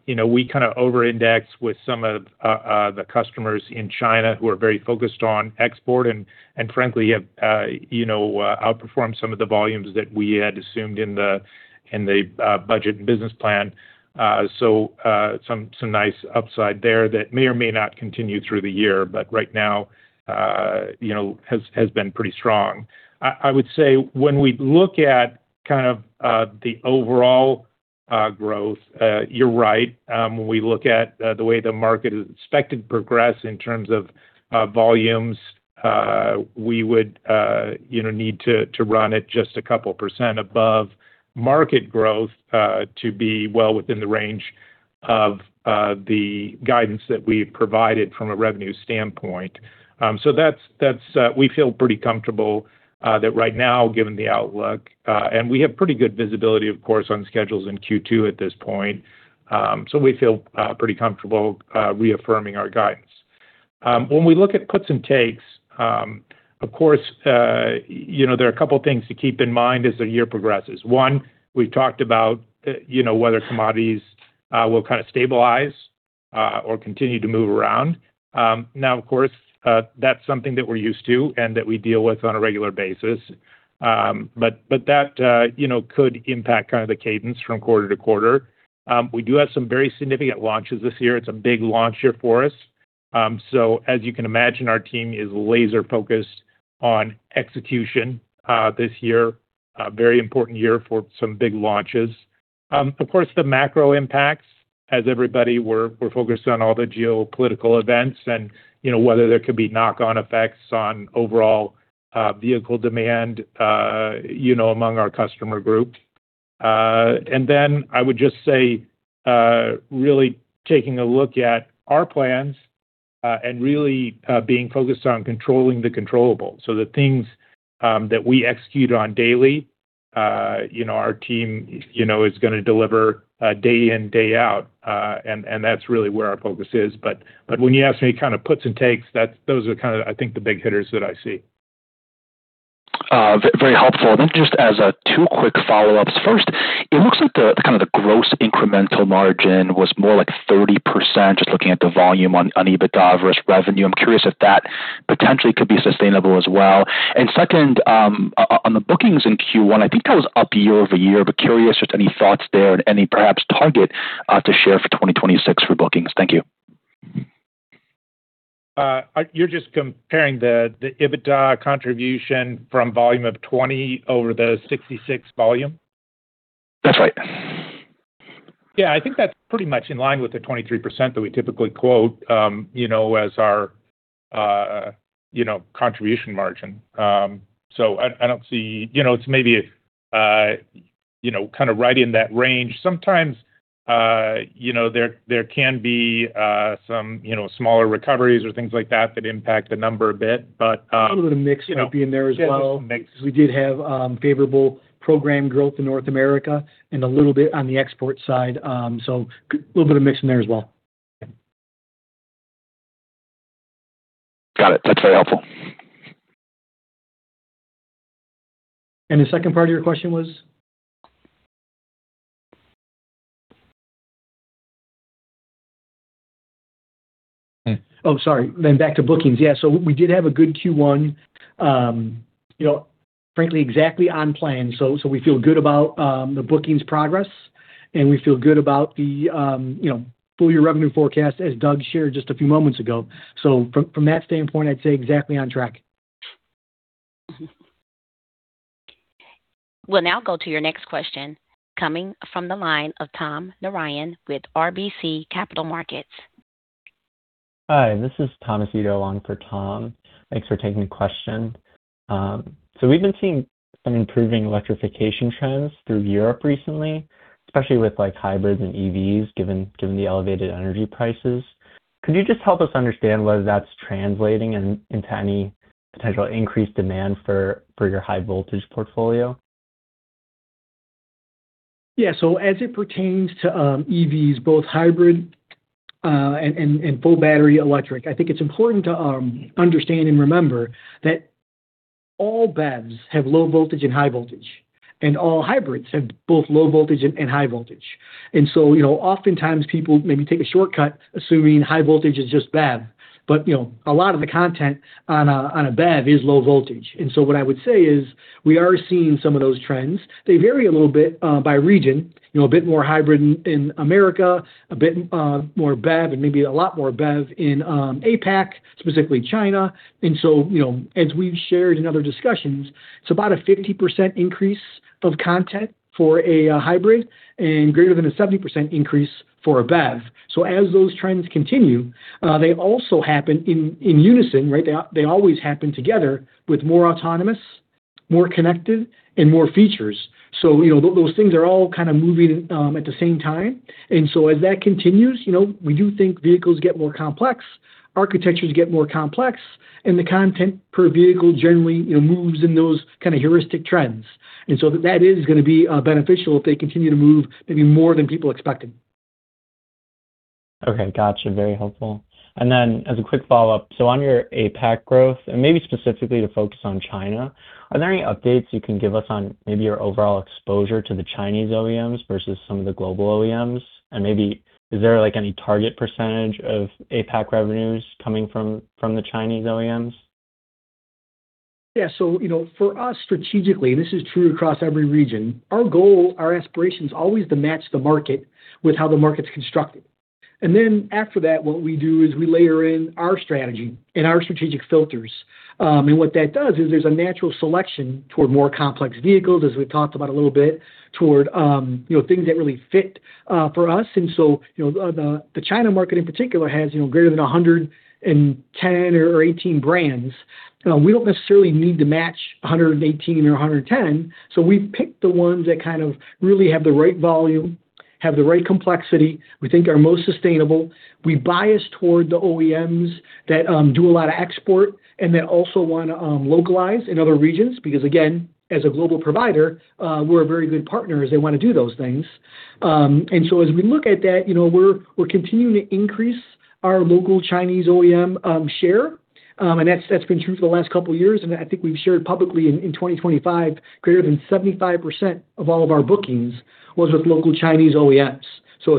Speaker 4: you know, we kind of over-indexed with some of the customers in China who are very focused on export. And frankly have, you know, outperformed some of the volumes that we had assumed in the budget and business plan. Some nice upside there that may or may not continue through the year, right now, you know, has been pretty strong. I would say when we look at kind of the overall growth, you're right. When we look at the way the market is expected to progress in terms of volumes, we would, you know, need to run at just a couple percent above market growth to be well within the range of the guidance that we've provided from a revenue standpoint. That's, we feel pretty comfortable that right now, given the outlook, and we have pretty good visibility of course on schedules in Q2 at this point. We feel pretty comfortable reaffirming our guidance. When we look at puts and takes, of course, you know, there are a couple of things to keep in mind as the year progresses. One, we talked about, you know, whether commodities will kind of stabilize or continue to move around. Now of course, that's something that we're used to and that we deal with on a regular basis. That, you know, could impact kind of the cadence from quarter-to-quarter. We do have some very significant launches this year. It's a big launch year for us. As you can imagine, our team is laser focused on execution this year. A very important year for some big launches. Of course, the macro impacts as everybody, we're focused on all the geopolitical events and, you know, whether there could be knock-on effects on overall vehicle demand, you know, among our customer groups. I would just say, really taking a look at our plans, and really, being focused on controlling the controllable. The things, that we execute on daily, you know, our team, you know, is gonna deliver, day in, day out. That's really where our focus is. When you ask me kind of puts and takes, those are kind of I think the big hitters that I see.
Speaker 9: Very helpful. Then just as a two quick follow-ups. First, it looks like the, kind of the gross incremental margin was more like 30%, just looking at the volume on EBITDA versus revenue. I'm curious if potentially could be sustainable as well. Second, on the bookings in Q1, I think that was up year-over-year, but curious just any thoughts there and any perhaps target to share for 2026 for bookings? Thank you.
Speaker 4: You're just comparing the EBITDA contribution from volume of 20 over the 66 volume?
Speaker 9: That's right.
Speaker 4: Yeah. I think that's pretty much in line with the 23% that we typically quote, you know, as our, you know, contribution margin. I don't see You know, it's maybe, you know, kind of right in that range. Sometimes, you know, there can be, some, you know, smaller recoveries or things like that impact the number a bit.
Speaker 3: A little bit of mix would be in there as well.
Speaker 4: Yeah, there's some mix.
Speaker 3: We did have favorable program growth in North America and a little bit on the export side. A little bit of mix in there as well.
Speaker 9: Got it. That's very helpful.
Speaker 3: The second part of your question was? Oh, sorry. Back to bookings. Yeah. We did have a good Q1. You know, frankly exactly on plan. We feel good about the bookings progress, and we feel good about the, you know, full year revenue forecast as Doug shared just a few moments ago. From that standpoint, I'd say exactly on track.
Speaker 1: We'll now go to your next question, coming from the line of Tom Narayan with RBC Capital Markets.
Speaker 10: Hi, this is Thomas Ito on for Tom. Thanks for taking the question. We've been seeing some improving electrification trends through Europe recently, especially with like hybrids and EVs given the elevated energy prices. Could you just help us understand whether that's translating into any potential increased demand for your high voltage portfolio?
Speaker 3: Yeah. As it pertains to EVs, both hybrid and full battery electric, I think it's important to understand and remember that all BEVs have low-voltage and high-voltage. And all hybrids have both low-voltage and high-voltage. You know, oftentimes people maybe take a shortcut assuming high-voltage is just BEV, you know, a lot of the content on a BEV is low-voltage. What I would say is we are seeing some of those trends. They vary a little bit by region, you know, a bit more hybrid in America, a bit more BEV and maybe a lot more BEV in APAC, specifically China. You know, as we've shared in other discussions, it's about a 50% increase of content for a hybrid and greater than a 70% increase for a BEV. As those trends continue, they also happen in unison, right? They always happen together with more autonomous, more connected and more features. You know, those things are all kind of moving at the same time. As that continues, you know, we do think vehicles get more complex, architectures get more complex, and the content per vehicle generally, you know, moves in those kind of heuristic trends. That is gonna be beneficial if they continue to move maybe more than people expected.
Speaker 10: Okay. Gotcha. Very helpful. As a quick follow-up, so on your APAC growth, and maybe specifically to focus on China, are there any updates you can give us on maybe your overall exposure to the Chinese OEMs versus some of the global OEMs? Is there like any target percentage of APAC revenues coming from the Chinese OEMs?
Speaker 3: Yeah. You know, for us strategically, and this is true across every region, our goal, our aspiration is always to match the market with how the market's constructed. After that, what we do is we layer in our strategy and our strategic filters. What that does is there's a natural selection toward more complex vehicles, as we've talked about a little bit, toward, you know, things that really fit for us. You know, the China market in particular has, you know, greater than 110 or 118 brands. We don't necessarily need to match 118 or 110. We pick the ones that kind of really have the right volume, have the right complexity, we think are most sustainable. We bias toward the OEMs that do a lot of export and that also want to localize in other regions, because again, as a global provider, we're a very good partner as they want to do those things. As we look at that, you know, we're continuing to increase our local Chinese OEM share. That's been true for the last couple of years. I think we've shared publicly in 2025, greater than 75% of all of our bookings was with local Chinese OEMs.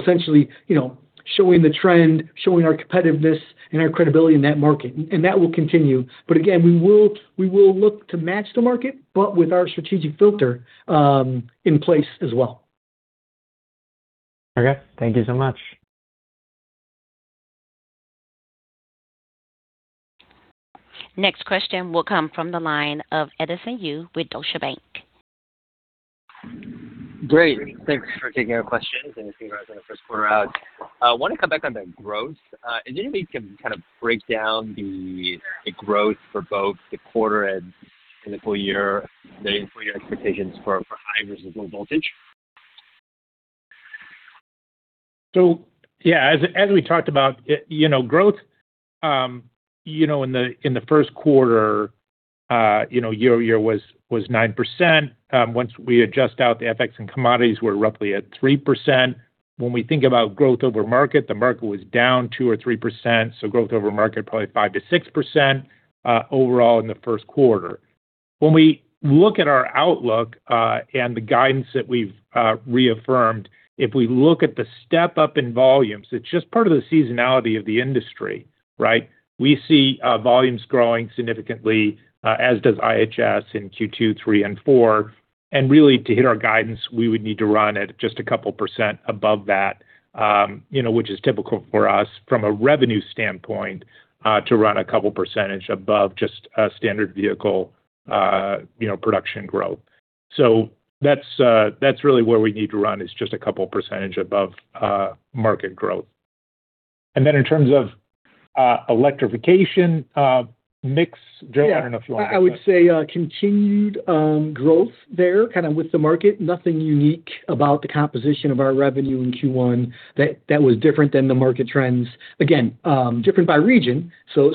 Speaker 3: Essentially, you know, showing the trend, showing our competitiveness and our credibility in that market, and that will continue. Again, we will look to match the market, but with our strategic filter in place as well.
Speaker 10: Okay. Thank you so much.
Speaker 1: Next question will come from the line of Edison Yu with Deutsche Bank.
Speaker 11: Great. Thanks. Thanks for taking our questions and giving us the first quarter out. I want to come back on the growth. Is there any way you can kind of break down the growth for both the quarter and the full year expectations for high- versus low-voltage?
Speaker 4: As we talked about, growth in the first quarter year-over-year was 9%. Once we adjust out the FX and commodities, we're roughly at 3%. When we think about growth over market, the market was down 2% or 3%. Growth over market probably 5%-6% overall in the first quarter. When we look at our outlook and the guidance that we've reaffirmed, if we look at the step up in volumes, it's just part of the seasonality of the industry, right? We see volumes growing significantly, as does IHS in Q2, Q3 and Q4. Really to hit our guidance, we would need to run at just a 2% above that, you know, which is typical for us from a revenue standpoint, to run a 2 percentage points above just a standard vehicle, you know, production growth. That's, that's really where we need to run, is just a 2 percentage points above market growth. Then in terms of electrification mix, Joe, I don't know if you want to take that.
Speaker 3: Yeah. I would say, continued growth there kind of with the market. Nothing unique about the composition of our revenue in Q1 that was different than the market trends. Again, different by region. You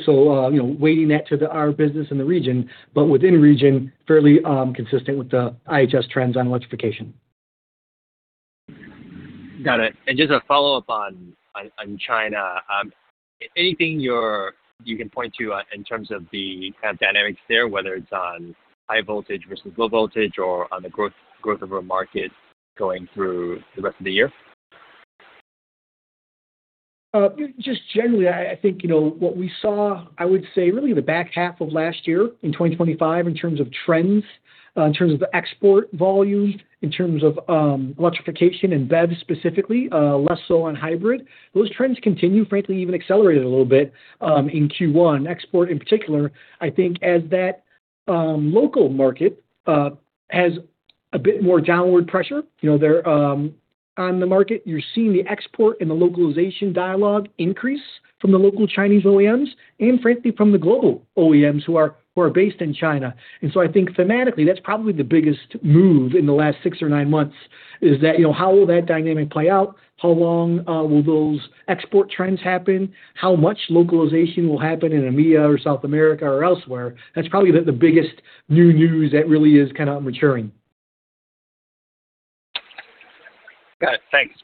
Speaker 3: know, weighting that to our business in the region, but within region, fairly, consistent with the IHS trends on electrification.
Speaker 11: Got it. Just a follow-up on China. Anything you can point to in terms of the kind of dynamics there, whether it's on high-voltage versus low-voltage or on the growth of a market going through the rest of the year?
Speaker 3: Just generally, I think, you know, what we saw, I would say really in the back half of last year in 2025 in terms of trends, in terms of the export volume, in terms of electrification and BEVs specifically, less so on hybrid. Those trends continue, frankly, even accelerated a little bit, in Q1. Export in particular, I think as that local market has a bit more downward pressure, you know, there on the market. You're seeing the export and the localization dialogue increase from the local Chinese OEMs and frankly from the global OEMs who are based in China. I think thematically, that's probably the biggest move in the last 6 or 9 months, is that, you know, how will that dynamic play out? How long will those export trends happen? How much localization will happen in EMEA or South America or elsewhere? That's probably the biggest new news that really is kind of maturing.
Speaker 11: Got it. Thanks.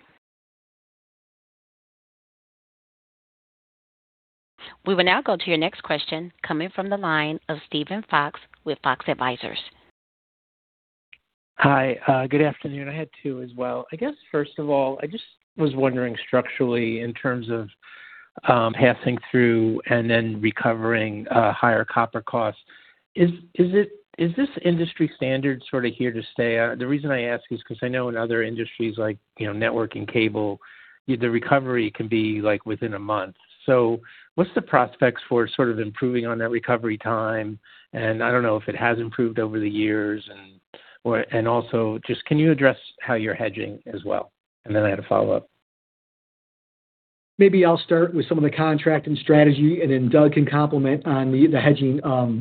Speaker 1: We will now go to your next question coming from the line of Steven Fox with Fox Advisors.
Speaker 12: Hi. Good afternoon. I had two as well. I guess, first of all, I just was wondering structurally in terms of passing through and then recovering higher copper costs. Is this industry standard sort of here to stay? The reason I ask is because I know in other industries like, you know, network and cable, the recovery can be like within a month. What's the prospects for sort of improving on that recovery time? I don't know if it has improved over the years or also just can you address how you're hedging as well. I had a follow-up.
Speaker 3: Maybe I'll start with some of the contracting strategy, and then Doug can complement on the hedging,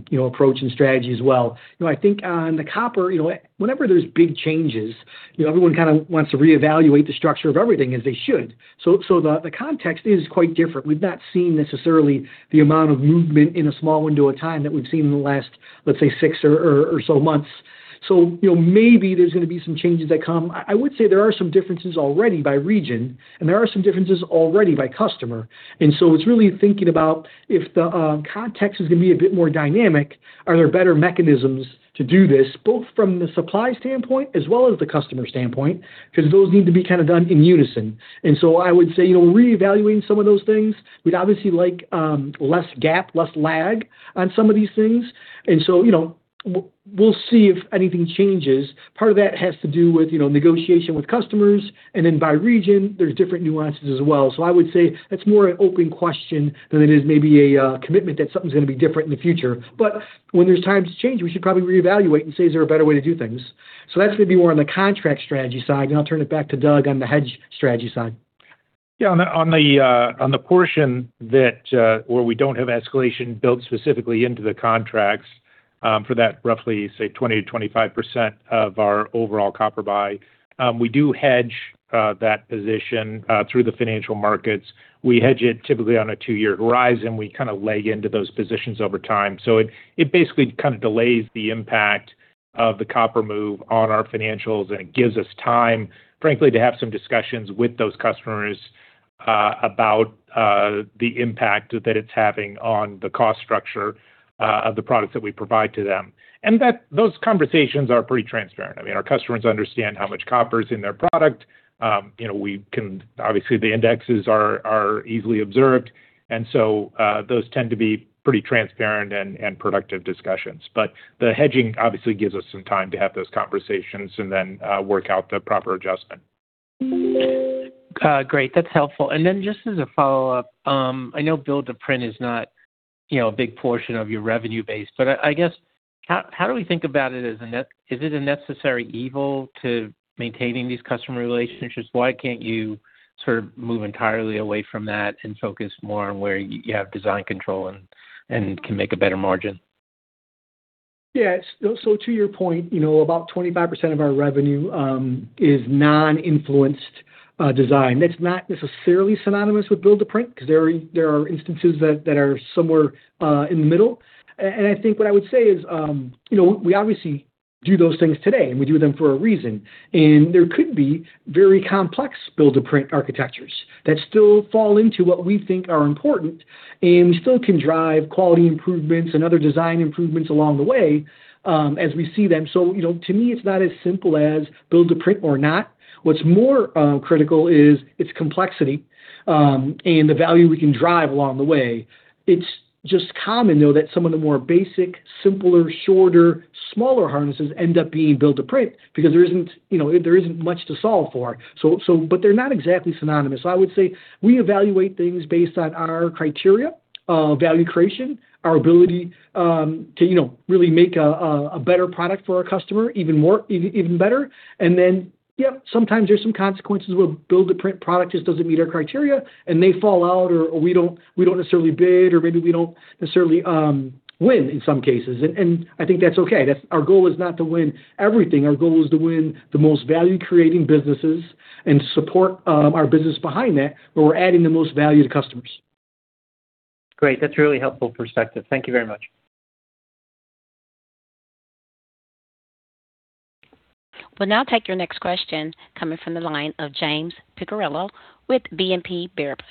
Speaker 3: you know, approach and strategy as well. You know, I think on the copper, you know, whenever there's big changes, you know, everyone kind of wants to reevaluate the structure of everything, as they should. The context is quite different. We've not seen necessarily the amount of movement in a small window of time that we've seen in the last, let's say, six or so months. You know, maybe there's gonna be some changes that come. I would say there are some differences already by region, and there are some differences already by customer. It's really thinking about if the context is going to be a bit more dynamic, are there better mechanisms to do this, both from the supply standpoint as well as the customer standpoint? Because those need to be kind of done in unison. I would say, you know, reevaluating some of those things. We'd obviously like less gap, less lag on some of these things. You know, we'll see if anything changes. Part of that has to do with, you know, negotiation with customers and then by region, there's different nuances as well. I would say that's more an open question than it is maybe a commitment that something's going to be different in the future. When there's times change, we should probably reevaluate and say, is there a better way to do things? That's gonna be more on the contract strategy side. I'll turn it back to Doug on the hedge strategy side.
Speaker 4: On the portion that where we don't have escalation built specifically into the contracts, for that roughly say 20%-25% of our overall copper buy. We do hedge that position through the financial markets. We hedge it typically on a 2-year horizon. We kinda leg into those positions over time. It basically kind of delays the impact of the copper move on our financials, and it gives us time, frankly, to have some discussions with those customers, about the impact that it's having on the cost structure of the products that we provide to them. That those conversations are pretty transparent. I mean, our customers understand how much copper is in their product. You know, Obviously, the indexes are easily observed, those tend to be pretty transparent and productive discussions. The hedging obviously gives us some time to have those conversations and then work out the proper adjustment.
Speaker 12: Great. That's helpful. Just as a follow-up, I know build-to-print is not, you know, a big portion of your revenue base. I guess how do we think about it as a necessary evil to maintaining these customer relationships? Why can't you sort of move entirely away from that and focus more on where you have design control and can make a better margin?
Speaker 3: Yeah. To your point, you know, about 25% of our revenue is non-influenced design. That's not necessarily synonymous with build-to-print because there are instances that are somewhere in the middle. I think what I would say is, you know, we obviously do those things today. We do them for a reason. There could be very complex build-to-print architectures that still fall into what we think are important, and we still can drive quality improvements and other design improvements along the way as we see them. You know, to me, it's not as simple as build-to-print or not. What's more critical is its complexity and the value we can drive along the way. It's just common, though, that some of the more basic, simpler, shorter, smaller harnesses end up being build-to-print because there isn't, you know, there isn't much to solve for. They're not exactly synonymous. I would say we evaluate things based on our criteria of value creation, our ability to, you know, really make a better product for our customer even better. Yeah, sometimes there's some consequences where build-to-print product just doesn't meet our criteria, and they fall out or we don't necessarily bid, or maybe we don't necessarily win in some cases. I think that's okay. Our goal is not to win everything. Our goal is to win the most value-creating businesses and support our business behind that, where we're adding the most value to customers.
Speaker 12: Great. That's a really helpful perspective. Thank you very much.
Speaker 1: We'll now take your next question coming from the line of James Picariello with BNP Paribas.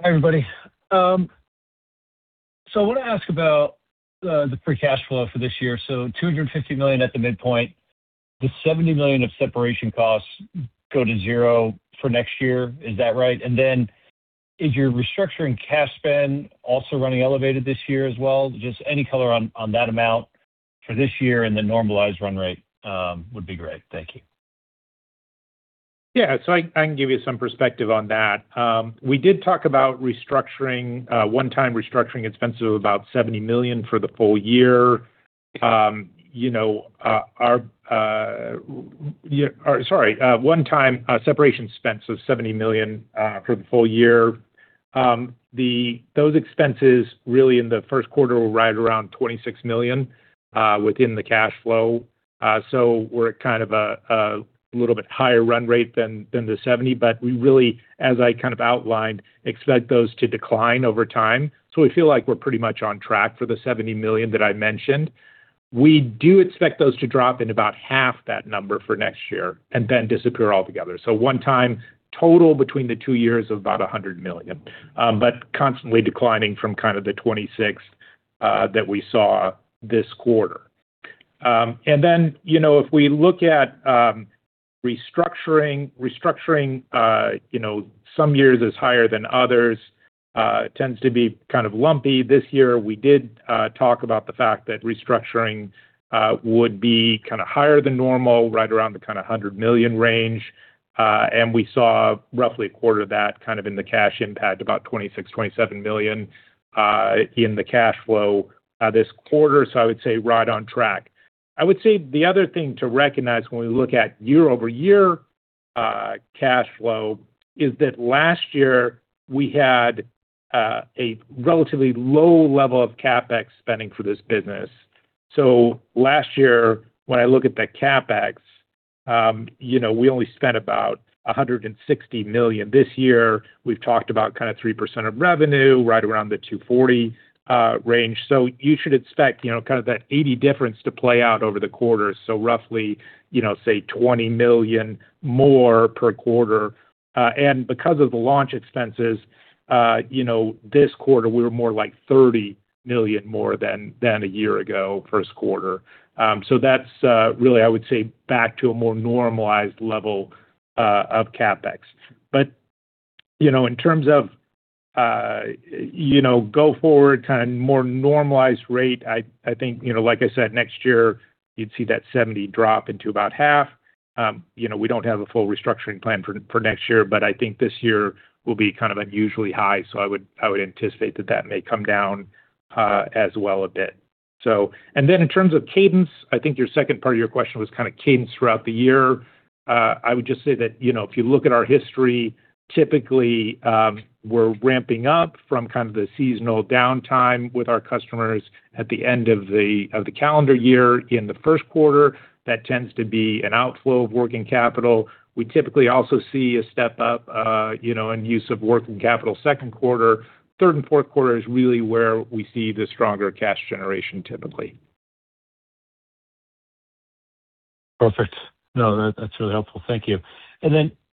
Speaker 13: Hi, everybody. I wanna ask about the free cash flow for this year. $250 million at the midpoint. The $70 million of separation costs go to zero for next year. Is that right? Is your restructuring cash spend also running elevated this year as well? Just any color on that amount for this year and the normalized run rate would be great. Thank you.
Speaker 4: I can give you some perspective on that. We did talk about restructuring, one-time restructuring expenses of about $70 million for the full year. You know, one-time separation expense of $70 million for the full year. Those expenses really in the first quarter were right around $26 million within the cash flow. We're kind of a little bit higher run rate than the $70 million. But we really, as I kind of outlined, expect those to decline over time. We feel like we're pretty much on track for the $70 million that I mentioned. We do expect those to drop in about half that number for next year and then disappear altogether. One-time total between the two years of about $100 million, but constantly declining from kind of the 26 that we saw this quarter. You know, if we look at restructuring, you know, some years is higher than others, tends to be kind of lumpy. This year, we did talk about the fact that restructuring would be kind of higher than normal, right around the kind of $100 million range. We saw roughly a quarter of that kind of in the cash impact, about $26 million-$27 million in the cash flow this quarter. I would say right on track. I would say the other thing to recognize when we look at year-over-year cash flow is that last year we had a relatively low level of CapEx spending for this business. Last year, when I look at the CapEx, you know, we only spent about $160 million. This year, we've talked about kind of 3% of revenue, right around the 240 range. You should expect, you know, kind of that 80 difference to play out over the quarter. Roughly, you know, say $20 million more per quarter. Because of the launch expenses, you know, this quarter, we were more like $30 million more than a year ago first quarter. That's really, I would say, back to a more normalized level of CapEx. You know, in terms of, you know, go forward, kind of more normalized rate, I think, you know, like I said, next year you'd see that 70 drop into about half. You know, we don't have a full restructuring plan for next year, but I think this year will be kind of unusually high, so I would, I would anticipate that that may come down as well a bit. In terms of cadence, I think your second part of your question was kind of cadence throughout the year. I would just say that, you know, if you look at our history, typically, we're ramping up from kind of the seasonal downtime with our customers at the end of the calendar year in the first quarter. That tends to be an outflow of working capital. We typically also see a step-up, you know, in use of working capital second quarter. Third and fourth quarter is really where we see the stronger cash generation typically.
Speaker 13: Perfect. No, that's really helpful. Thank you.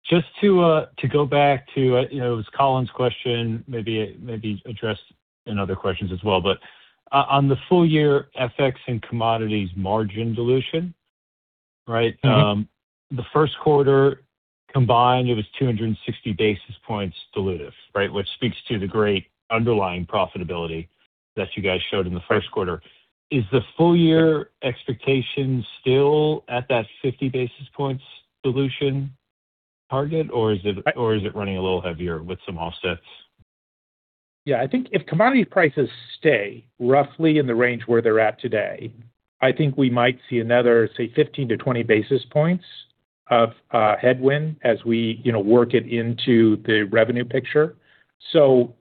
Speaker 13: Just to go back to, you know, it was Colin's question, maybe addressed in other questions as well, but on the full year FX and commodities margin dilution, right? The first quarter combined, it was 260 basis points dilutive, right? Which speaks to the great underlying profitability that you guys showed in the first quarter. Is the full year expectation still at that 50 basis points dilution target, or is it? Is it running a little heavier with some offsets?
Speaker 4: Yeah. I think if commodity prices stay roughly in the range where they're at today, I think we might see another, say, 15 basis points-20 basis points of headwind as we, you know, work it into the revenue picture.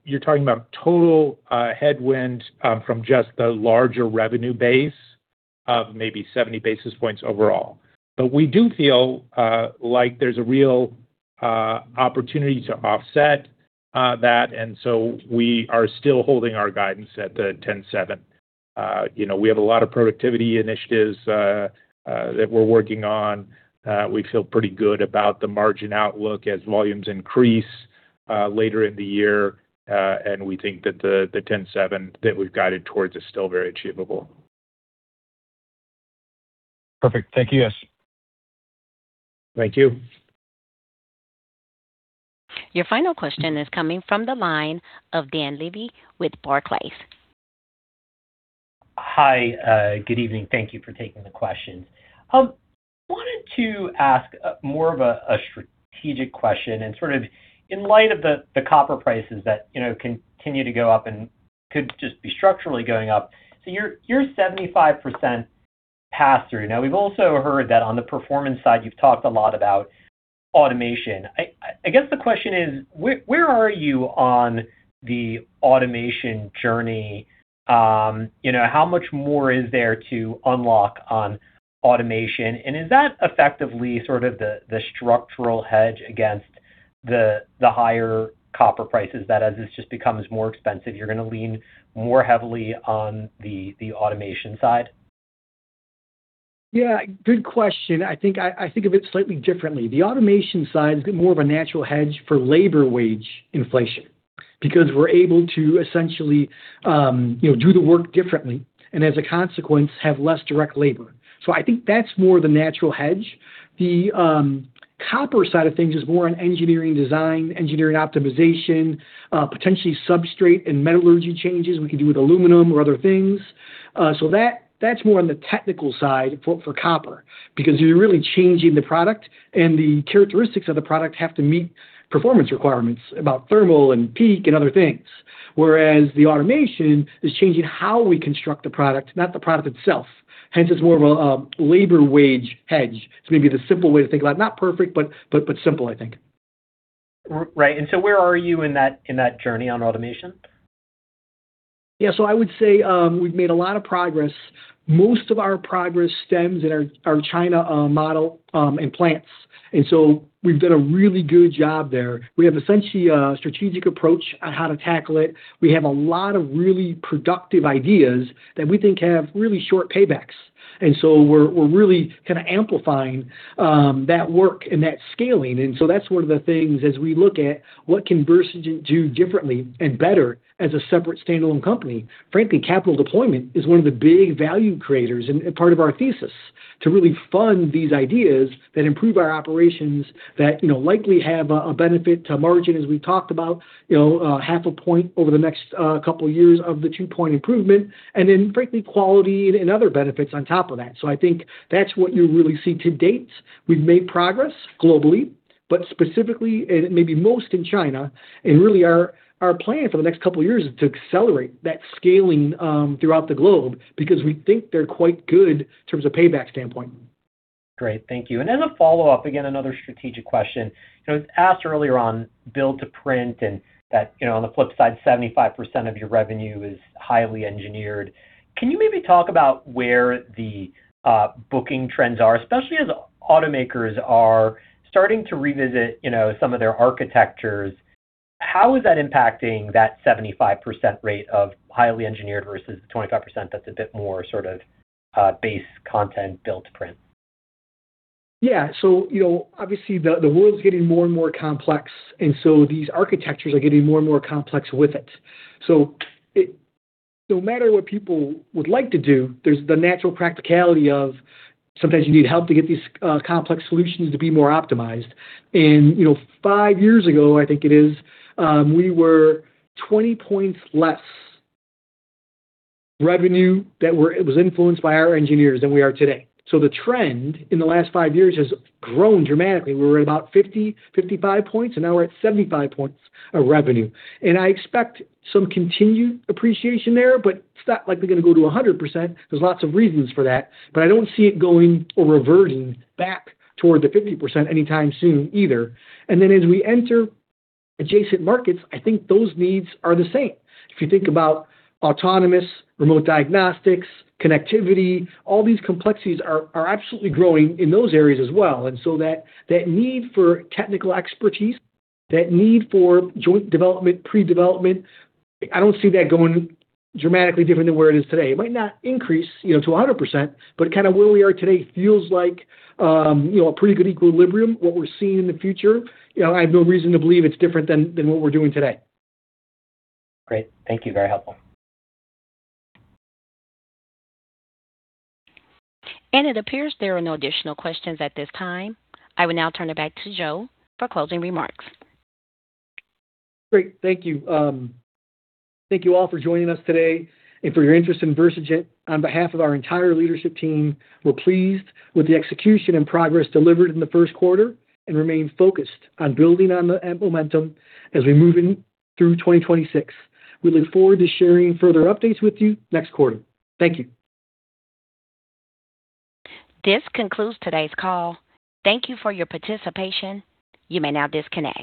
Speaker 4: You're talking about total headwind from just the larger revenue base of maybe 70 basis points overall. But we do feel like there's a real opportunity to offset that. We are still holding our guidance at the 10.7%. You know, we have a lot of productivity initiatives that we're working on. We feel pretty good about the margin outlook as volumes increase later in the year. We think that the 10.7% that we've guided towards is still very achievable.
Speaker 13: Perfect. Thank you, guys.
Speaker 4: Thank you.
Speaker 1: Your final question is coming from the line of Dan Levy with Barclays.
Speaker 14: Hi. Good evening. Thank you for taking the question. Wanted to ask more of a strategic question and sort of in light of the copper prices that, you know, continue to go up and could just be structurally going up. Your 75% pass-through. Now, we've also heard that on the performance side, you've talked a lot about Automation. I guess the question is where are you on the Automation journey? You know, how much more is there to unlock on Automation? Is that effectively sort of the structural hedge against the higher copper prices, that as this just becomes more expensive, you're gonna lean more heavily on the Automation side?
Speaker 3: Good question. I think of it slightly differently. The Automation side is more of a natural hedge for labor wage inflation because we're able to essentially, you know, do the work differently and as a consequence, have less direct labor. I think that's more of a natural hedge. The copper side of things is more on engineering design, engineering optimization, potentially substrate and metallurgy changes we can do with aluminum or other things. That's more on the technical side for copper because you're really changing the product, and the characteristics of the product have to meet performance requirements about thermal and peak and other things. Whereas the Automation is changing how we construct the product, not the product itself. Hence, it's more of a labor wage hedge. It's maybe the simple way to think about it. Not perfect, but simple, I think.
Speaker 14: Right. Where are you in that journey on Automation?
Speaker 3: I would say, we've made a lot of progress. Most of our progress stems in our China model and plants. We've done a really good job there. We have essentially a strategic approach on how to tackle it. We have a lot of really productive ideas that we think have really short paybacks, we're really kind of amplifying that work and that scaling. That's one of the things as we look at what can Versigent do differently and better as a separate standalone company. Frankly, capital deployment is one of the big value creators and part of our thesis to really fund these ideas that improve our operations that, you know, likely have a benefit to margin, as we talked about. You know,.5 point over the next couple years of the 2-point improvement, and then frankly, quality and other benefits on top of that. I think that's what you really see to date. We've made progress globally, but specifically and maybe most in China. Really our plan for the next two years is to accelerate that scaling throughout the globe because we think they're quite good in terms of payback standpoint.
Speaker 14: Great. Thank you. Then a follow-up, again, another strategic question. You know, it was asked earlier on build-to-print and that, you know, on the flip side, 75% of your revenue is highly engineered. Can you maybe talk about where the booking trends are, especially as automakers are starting to revisit, you know, some of their architectures? How is that impacting that 75% rate of highly engineered versus the 25% that's a bit more sort of base content build-to-print?
Speaker 3: Yeah. You know, obviously the world's getting more and more complex, these architectures are getting more and more complex with it. No matter what people would like to do, there's the natural practicality of sometimes you need help to get these complex solutions to be more optimized. You know, five years ago, I think it is, we were 20 points less revenue that was influenced by our engineers than we are today. The trend in the last five years has grown dramatically. We were at about 50 points-55 points, now we're at 75 points of revenue. I expect some continued appreciation there, but it's not like we're gonna go to a 100%. There's lots of reasons for that, but I don't see it going or reverting back toward the 50% anytime soon either. As we enter adjacent markets, I think those needs are the same. If you think about autonomous, remote diagnostics, connectivity, all these complexities are absolutely growing in those areas as well. That need for technical expertise, that need for joint development, pre-development. I don't see that going dramatically different than where it is today. It might not increase, you know, to 100%, but kind of where we are today feels like, you know, a pretty good equilibrium. What we're seeing in the future, you know, I have no reason to believe it's different than what we're doing today.
Speaker 14: Great. Thank you. Very helpful.
Speaker 1: It appears there are no additional questions at this time. I will now turn it back to Joe for closing remarks.
Speaker 3: Great. Thank you. Thank you all for joining us today and for your interest in Versigent. On behalf of our entire leadership team. We're pleased with the execution and progress delivered in the first quarter and remain focused on building on the momentum as we move in through 2026. We look forward to sharing further updates with you next quarter. Thank you.
Speaker 1: This concludes today's call. Thank you for your participation. You may now disconnect.